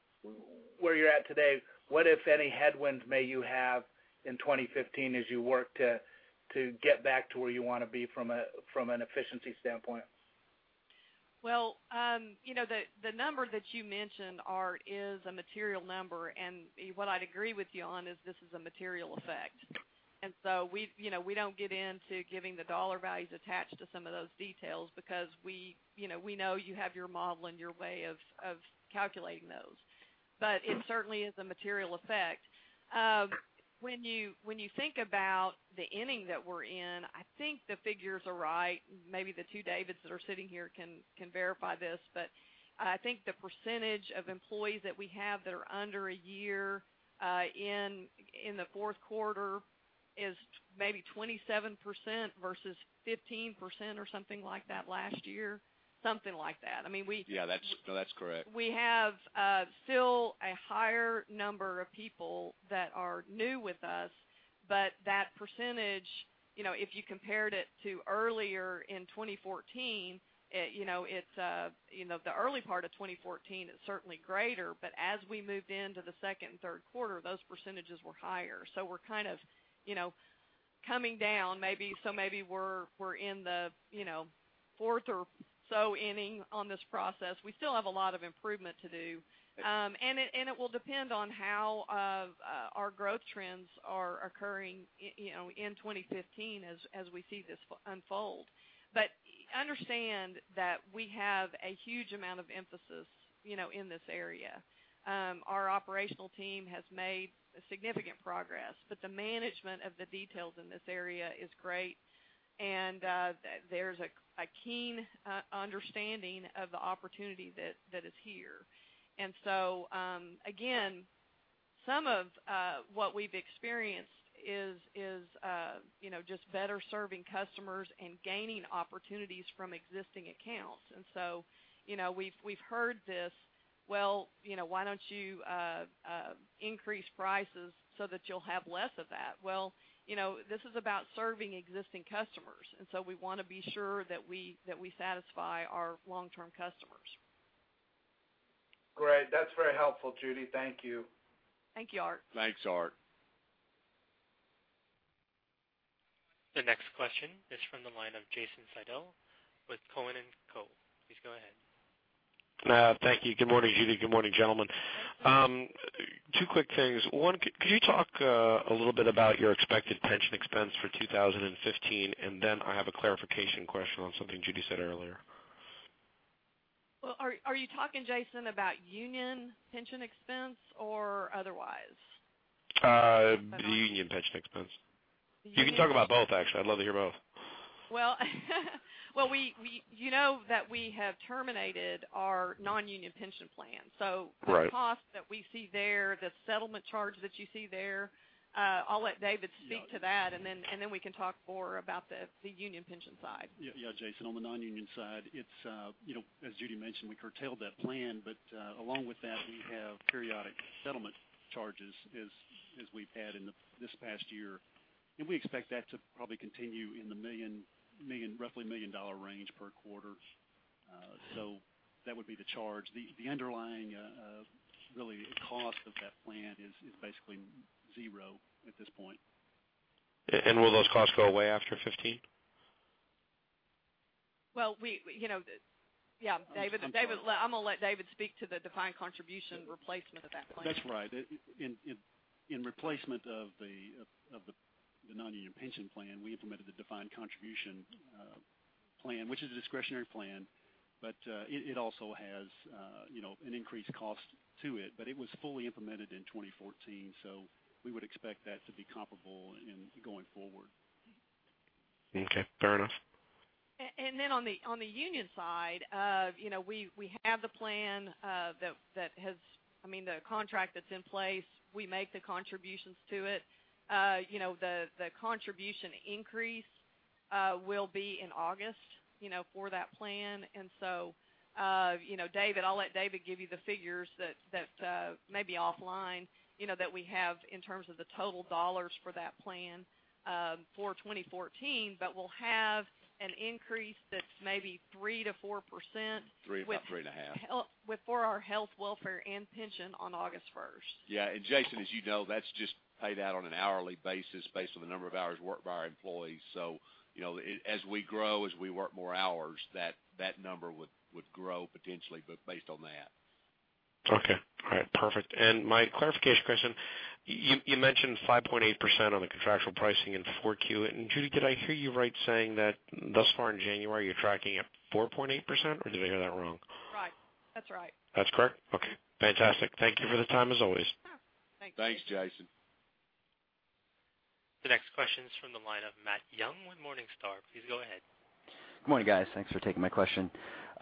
where you're at today, what, if any, headwinds may you have in 2015 as you work to, to get back to where you want to be from a from an efficiency standpoint? Well, you know, the number that you mentioned, Art, is a material number, and what I'd agree with you on is this is a material effect. And so we, you know, we don't get into giving the dollar values attached to some of those details because we, you know, we know you have your model and your way of calculating those. But it certainly is a material effect. When you think about the inning that we're in, I think the figures are right. Maybe the two Davids that are sitting here can verify this. But I think the percentage of employees that we have that are under a year in the fourth quarter is maybe 27% versus 15% or something like that last year, something like that. I mean, we. Yeah, that's no, that's correct. We have still a higher number of people that are new with us, but that percentage, you know, if you compared it to earlier in 2014, you know, it's, you know, the early part of 2014 is certainly greater, but as we moved into the second and third quarter, those percentages were higher. So we're kind of, you know, coming down maybe so maybe we're, we're in the, you know, fourth or so inning on this process. We still have a lot of improvement to do, and it will depend on how our growth trends are occurring, you know, in 2015 as we see this unfold. But understand that we have a huge amount of emphasis, you know, in this area. Our operational team has made significant progress, but the management of the details in this area is great, and there's a keen understanding of the opportunity that is here. And so, again, some of what we've experienced is, you know, just better serving customers and gaining opportunities from existing accounts. And so, you know, we've heard this, "Well, you know, why don't you increase prices so that you'll have less of that?" Well, you know, this is about serving existing customers, and so we want to be sure that we satisfy our long-term customers. Great. That's very helpful, Judy. Thank you. Thank you, Art. Thanks, Art. The next question is from the line of Jason Seidl with Cowen & Co. Please go ahead. Thank you. Good morning, Judy. Good morning, gentlemen. Two quick things. One, could you talk a little bit about your expected pension expense for 2015? And then I have a clarification question on something Judy said earlier. Well, are you talking, Jason, about union pension expense or otherwise? the union pension expense. The union pension expense. You can talk about both, actually. I'd love to hear both. Well, well, you know that we have terminated our non-union pension plan. So the cost that we see there, the settlement charge that you see there, I'll let David speak to that, and then we can talk more about the union pension side. Yeah, yeah, Jason. On the non-union side, it's, you know, as Judy mentioned, we curtailed that plan, but, along with that, we have periodic settlement charges as we've had in this past year. And we expect that to probably continue in the roughly $1 million range per quarter. So that would be the charge. The underlying really cost of that plan is basically zero at this point. Will those costs go away after 2015? Well, we, you know, yeah, David, David. I'm going to let David speak to the defined contribution replacement of that plan. That's right. In replacement of the non-union pension plan, we implemented the defined contribution plan, which is a discretionary plan, but it also has, you know, an increased cost to it. But it was fully implemented in 2014, so we would expect that to be comparable in going forward. Okay. Fair enough. Then on the union side, you know, we have the plan that has—I mean, the contract that's in place. We make the contributions to it. You know, the contribution increase will be in August, you know, for that plan. And so, you know, David, I'll let David give you the figures that may be offline, you know, that we have in terms of the total dollars for that plan for 2014, but we'll have an increase that's maybe 3%-4% with. 3-3.5. Help with our health, welfare, and pension on August 1st. Yeah. And Jason, as you know, that's just paid out on an hourly basis based on the number of hours worked by our employees. So, you know, as we grow, as we work more hours, that number would grow potentially based on that. Okay. All right. Perfect. And my clarification question, you, you mentioned 5.8% on the contractual pricing in 4Q. And Judy, did I hear you right saying that thus far in January, you're tracking at 4.8%, or did I hear that wrong? Right. That's right. That's correct? Okay. Fantastic. Thank you for the time as always. Thanks. Thanks, Jason. The next question is from the line of Matt Young with Morningstar. Please go ahead. Good morning, guys. Thanks for taking my question.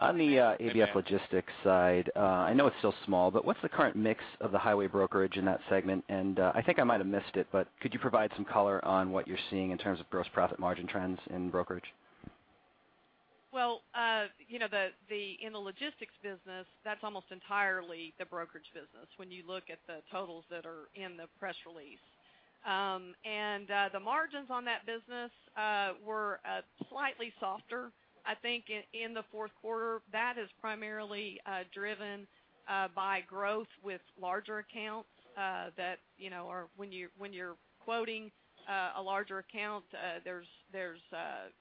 On the, ABF Logistics side, I know it's still small, but what's the current mix of the highway brokerage in that segment? And, I think I might have missed it, but could you provide some color on what you're seeing in terms of gross profit margin trends in brokerage? Well, you know, the in the logistics business, that's almost entirely the brokerage business when you look at the totals that are in the press release. The margins on that business were slightly softer, I think, in the fourth quarter. That is primarily driven by growth with larger accounts that, you know, are when you're quoting a larger account, there's,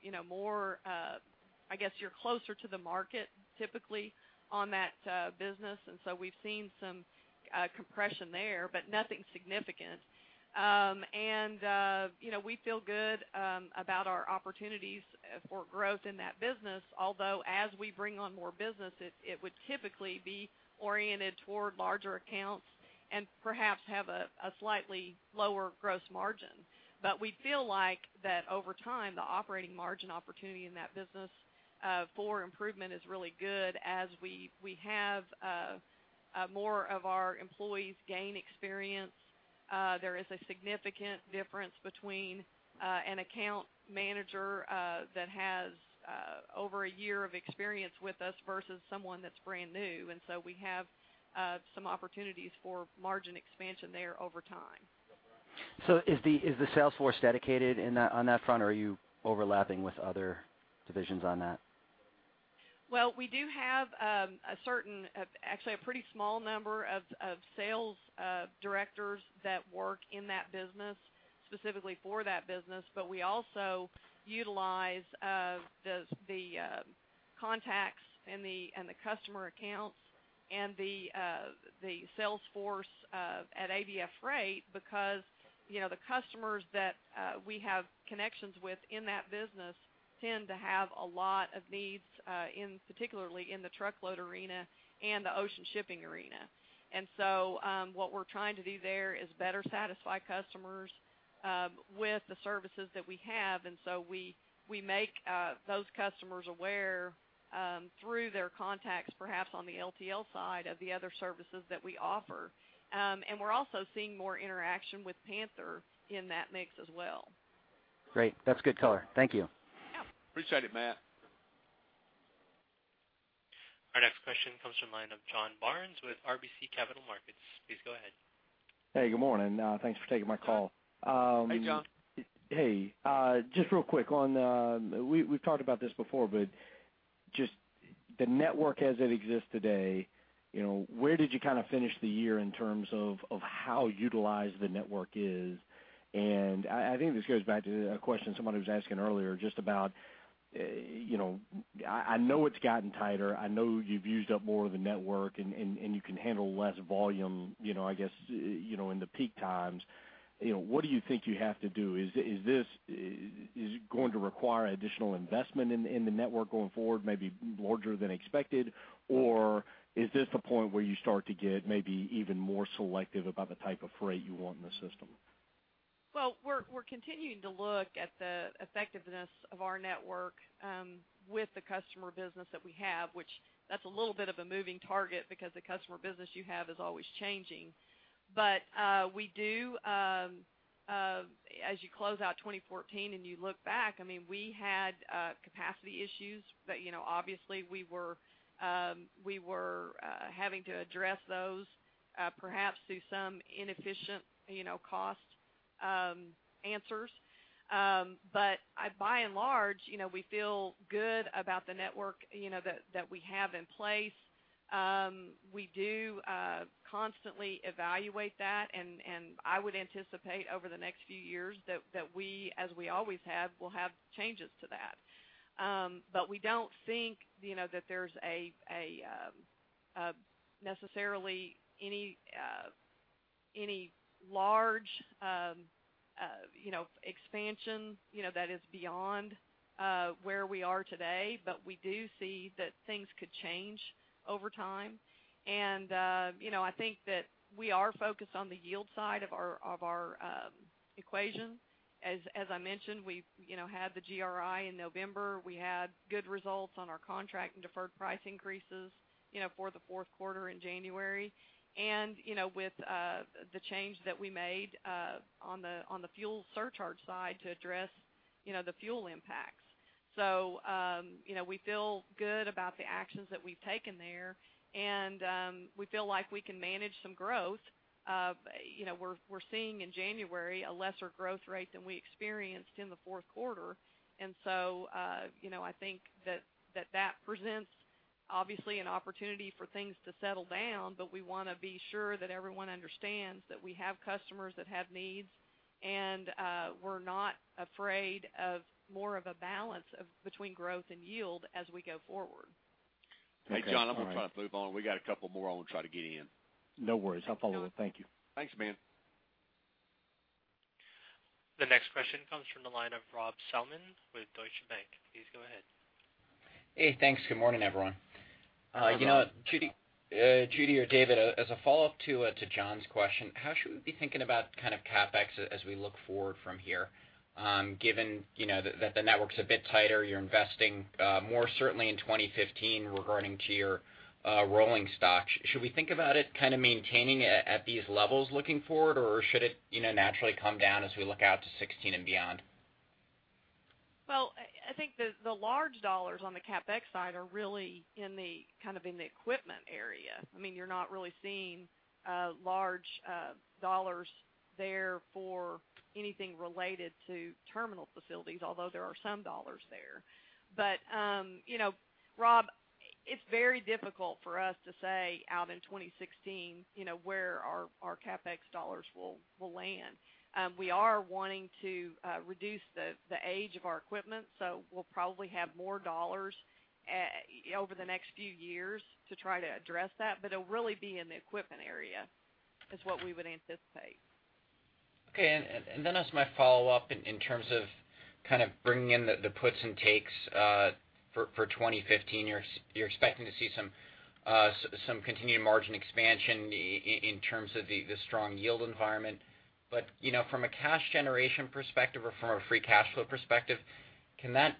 you know, more, I guess you're closer to the market typically on that business. And so we've seen some compression there, but nothing significant. We feel good about our opportunities for growth in that business, although as we bring on more business, it would typically be oriented toward larger accounts and perhaps have a slightly lower gross margin. But we feel like that over time, the operating margin opportunity in that business for improvement is really good as we have more of our employees gain experience. There is a significant difference between an account manager that has over a year of experience with us versus someone that's brand new. And so we have some opportunities for margin expansion there over time. So is the sales force dedicated on that front, or are you overlapping with other divisions on that? Well, we do have a certain actually a pretty small number of sales directors that work in that business, specifically for that business. But we also utilize the contacts and the customer accounts and the sales force at ABF Freight because, you know, the customers that we have connections with in that business tend to have a lot of needs, particularly in the truckload arena and the ocean shipping arena. And so what we're trying to do there is better satisfy customers with the services that we have. And so we make those customers aware through their contacts, perhaps on the LTL side, of the other services that we offer. And we're also seeing more interaction with Panther in that mix as well. Great. That's good color. Thank you. Yeah. Appreciate it, Matt. Our next question comes from the line of John Barnes with RBC Capital Markets. Please go ahead. Hey, good morning. Thanks for taking my call. Hey, John. Hey. Just real quick on, we've talked about this before, but just the network as it exists today, you know, where did you kind of finish the year in terms of, of how utilized the network is? And I think this goes back to a question somebody was asking earlier just about, you know, I know it's gotten tighter. I know you've used up more of the network, and you can handle less volume, you know, I guess, you know, in the peak times. You know, what do you think you have to do? Is this going to require additional investment in the network going forward, maybe larger than expected, or is this the point where you start to get maybe even more selective about the type of freight you want in the system? Well, we're continuing to look at the effectiveness of our network, with the customer business that we have, which that's a little bit of a moving target because the customer business you have is always changing. But, we do, as you close out 2014 and you look back, I mean, we had capacity issues that, you know, obviously, we were having to address those, perhaps through some inefficient, you know, cost answers. But by and large, you know, we feel good about the network, you know, that we have in place. We do constantly evaluate that, and I would anticipate over the next few years that we, as we always have, will have changes to that. But we don't think, you know, that there's a necessarily any large, you know, expansion, you know, that is beyond where we are today. But we do see that things could change over time. And, you know, I think that we are focused on the yield side of our equation. As I mentioned, we, you know, had the GRI in November. We had good results on our contract and deferred price increases, you know, for the fourth quarter in January. And, you know, with the change that we made, on the fuel surcharge side to address, you know, the fuel impacts. So, you know, we feel good about the actions that we've taken there, and we feel like we can manage some growth. You know, we're seeing in January a lesser growth rate than we experienced in the fourth quarter. So, you know, I think that presents, obviously, an opportunity for things to settle down, but we want to be sure that everyone understands that we have customers that have needs, and we're not afraid of more of a balance of between growth and yield as we go forward. Hey, John, I'm going to try to move on. We got a couple more. I'm going to try to get in. No worries. I'll follow up. Thank you. Thanks, man. The next question comes from the line of Rob Salmon with Deutsche Bank. Please go ahead. Hey, thanks. Good morning, everyone. You know, Judy or David, as a follow-up to John's question, how should we be thinking about kind of CapEx as we look forward from here, given, you know, that the network's a bit tighter, you're investing more certainly in 2015 regarding your rolling stock? Should we think about it kind of maintaining it at these levels looking forward, or should it, you know, naturally come down as we look out to 2016 and beyond? Well, I think the large dollars on the CapEx side are really in the kind of in the equipment area. I mean, you're not really seeing large dollars there for anything related to terminal facilities, although there are some dollars there. But, you know, Rob, it's very difficult for us to say out in 2016, you know, where our CapEx dollars will land. We are wanting to reduce the age of our equipment, so we'll probably have more dollars over the next few years to try to address that. But it'll really be in the equipment area is what we would anticipate. Okay. And then as my follow-up in terms of kind of bringing in the puts and takes for 2015, you're expecting to see some continued margin expansion in terms of the strong yield environment. But, you know, from a cash generation perspective or from a free cash flow perspective, can that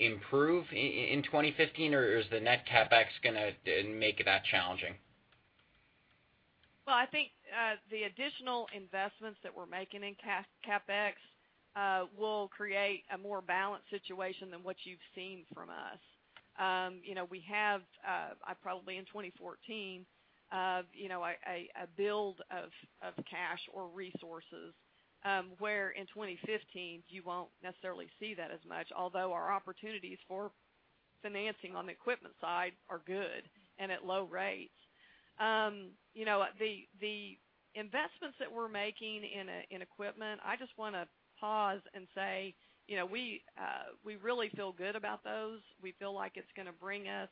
improve in 2015, or is the net CapEx going to make that challenging? Well, I think the additional investments that we're making in cash CapEx will create a more balanced situation than what you've seen from us. You know, we have, I probably in 2014, you know, a build of cash or resources, where in 2015, you won't necessarily see that as much, although our opportunities for financing on the equipment side are good and at low rates. You know, the investments that we're making in equipment, I just want to pause and say, you know, we really feel good about those. We feel like it's going to bring us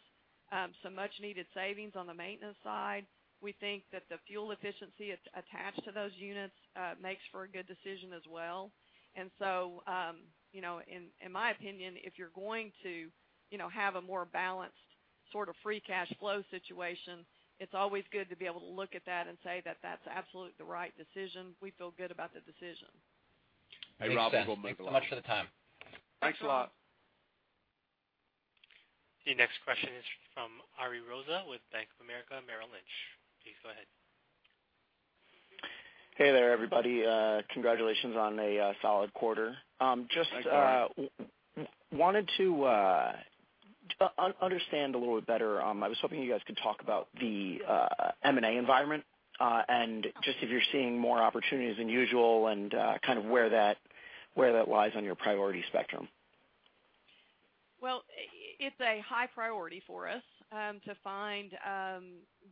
some much-needed savings on the maintenance side. We think that the fuel efficiency attached to those units makes for a good decision as well. So, you know, in my opinion, if you're going to, you know, have a more balanced sort of free cash flow situation, it's always good to be able to look at that and say that that's absolutely the right decision. We feel good about the decision. Hey, Rob. We'll move along. Thanks, guys. Much of the time. Thanks a lot. The next question is from Ariel Rosa with Bank of America Merrill Lynch. Please go ahead. Hey there, everybody. Congratulations on a solid quarter. Just, Thanks, John. Wanted to understand a little bit better. I was hoping you guys could talk about the M&A environment, and just if you're seeing more opportunities than usual and, kind of where that lies on your priority spectrum. Well, it's a high priority for us to find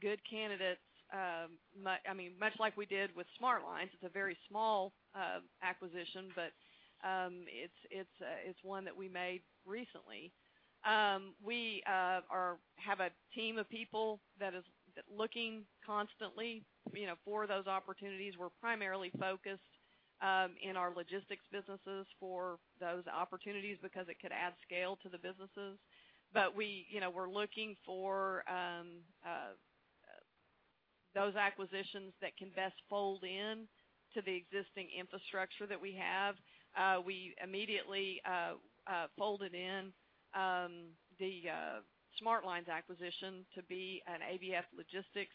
good candidates, I mean, much like we did with Smart Lines. It's a very small acquisition, but it's one that we made recently. We have a team of people that is looking constantly, you know, for those opportunities. We're primarily focused in our logistics businesses for those opportunities because it could add scale to the businesses. But we, you know, we're looking for those acquisitions that can best fold in to the existing infrastructure that we have. We immediately folded in the Smart Lines acquisition to be an ABF Logistics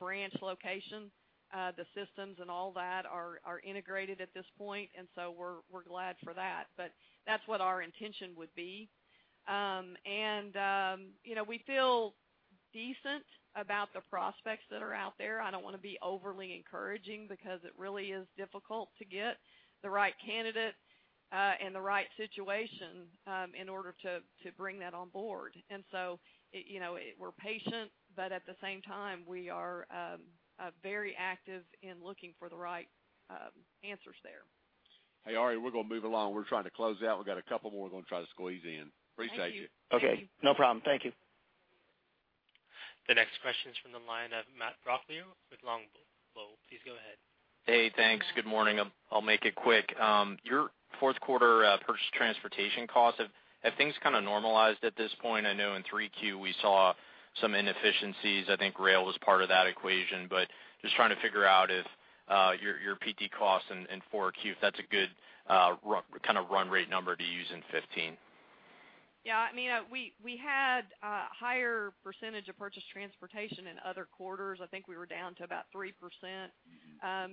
branch location. The systems and all that are integrated at this point, and so we're glad for that. But that's what our intention would be. And, you know, we feel decent about the prospects that are out there. I don't want to be overly encouraging because it really is difficult to get the right candidate, and the right situation, in order to bring that on board. And so, you know, we're patient, but at the same time, we are very active in looking for the right answers there. Hey, Ari. We're going to move along. We're trying to close out. We got a couple more. We're going to try to squeeze in. Appreciate you. Thank you. Okay. No problem. Thank you. The next question's from the line of Matt Brooklier with Longbow. Please go ahead. Hey, thanks. Good morning. I'll make it quick. Your fourth quarter purchased transportation costs, have things kind of normalized at this point? I know in 3Q, we saw some inefficiencies. I think rail was part of that equation. But just trying to figure out if your PT costs in 4Q, if that's a good run kind of run rate number to use in 2015. Yeah. I mean, we had a higher percentage of purchased transportation in other quarters. I think we were down to about 3%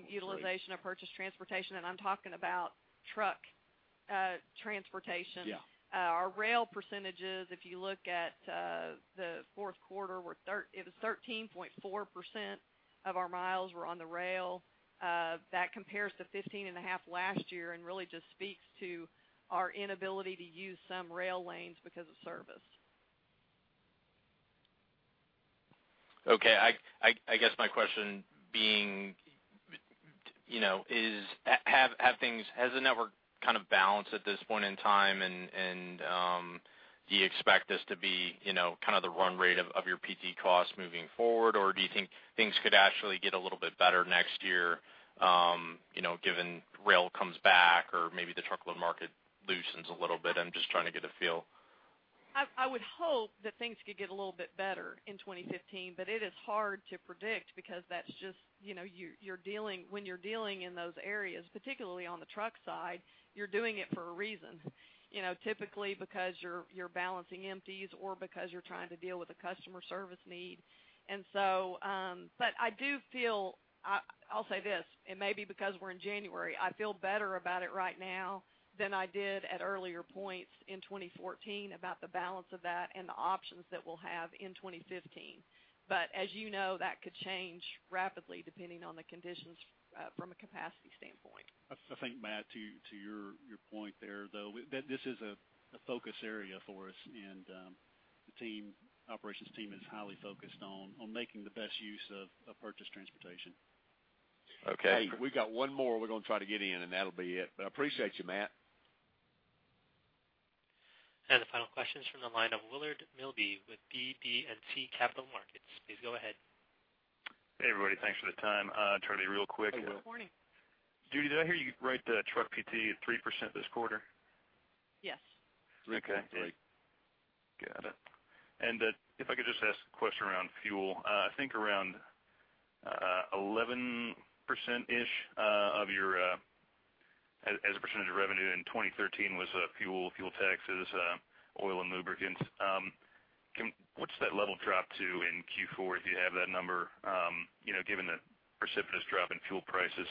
utilization of purchased transportation. And I'm talking about truck transportation. Yeah. Our rail percentages, if you look at the fourth quarter, were 13.4% of our miles were on the rail. That compares to 15.5% last year and really just speaks to our inability to use some rail lanes because of service. Okay. I guess my question being, you know, has the network kind of balanced at this point in time, and do you expect this to be, you know, kind of the run rate of your PT costs moving forward, or do you think things could actually get a little bit better next year, you know, given rail comes back or maybe the truckload market loosens a little bit? I'm just trying to get a feel. I would hope that things could get a little bit better in 2015, but it is hard to predict because that's just, you know, you're dealing when you're dealing in those areas, particularly on the truck side, you're doing it for a reason, you know, typically because you're balancing empties or because you're trying to deal with a customer service need. But I do feel I'll say this. It may be because we're in January. I feel better about it right now than I did at earlier points in 2014 about the balance of that and the options that we'll have in 2015. But as you know, that could change rapidly depending on the conditions, from a capacity standpoint. I think, Matt, to your point there, though, that this is a focus area for us, and the operations team is highly focused on making the best use of purchased transportation. Okay. We got one more. We're going to try to get in, and that'll be it. But I appreciate you, Matt. The final question's from the line of Willard Milby with BB&T Capital Markets. Please go ahead. Hey, everybody. Thanks for the time. Charlie, real quick. Hey, good morning. Judy, did I hear you right the truck PT at 3% this quarter? Yes. 3%. 3%. Great. Got it. And, if I could just ask a question around fuel, I think around 11%-ish of your as a percentage of revenue in 2013 was fuel taxes, oil, and lubricants. Can, what's that level dropped to in Q4 if you have that number, you know, given the precipitous drop in fuel prices?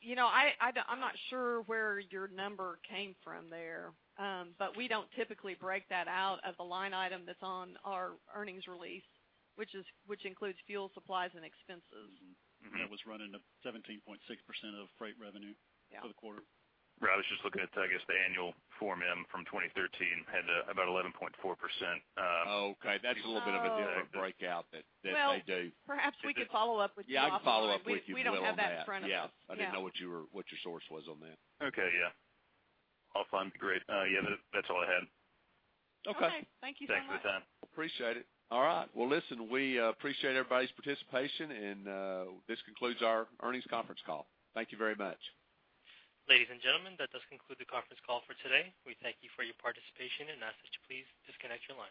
You know, I don't, I'm not sure where your number came from there, but we don't typically break that out of the line item that's on our earnings release, which includes fuel supplies and expenses. Mm-hmm. That was running at 17.6% of freight revenue. Yeah. For the quarter. Rob, I was just looking at, I guess, the annual 10-K from 2013 had about 11.4%. Oh, okay. That's a little bit of a different breakout that they do. Well, perhaps we could follow up with you offline. Yeah. I can follow up with you. We don't have that in front of us. Yeah. I didn't know what your source was on that. Okay. Yeah. Offline would be great. Yeah. That, that's all I had. Okay. Okay. Thank you so much. Thanks for the time. Appreciate it. All right. Well, listen, we appreciate everybody's participation, and this concludes our earnings conference call. Thank you very much. Ladies and gentlemen, that does conclude the conference call for today. We thank you for your participation, and ask that you please disconnect your line.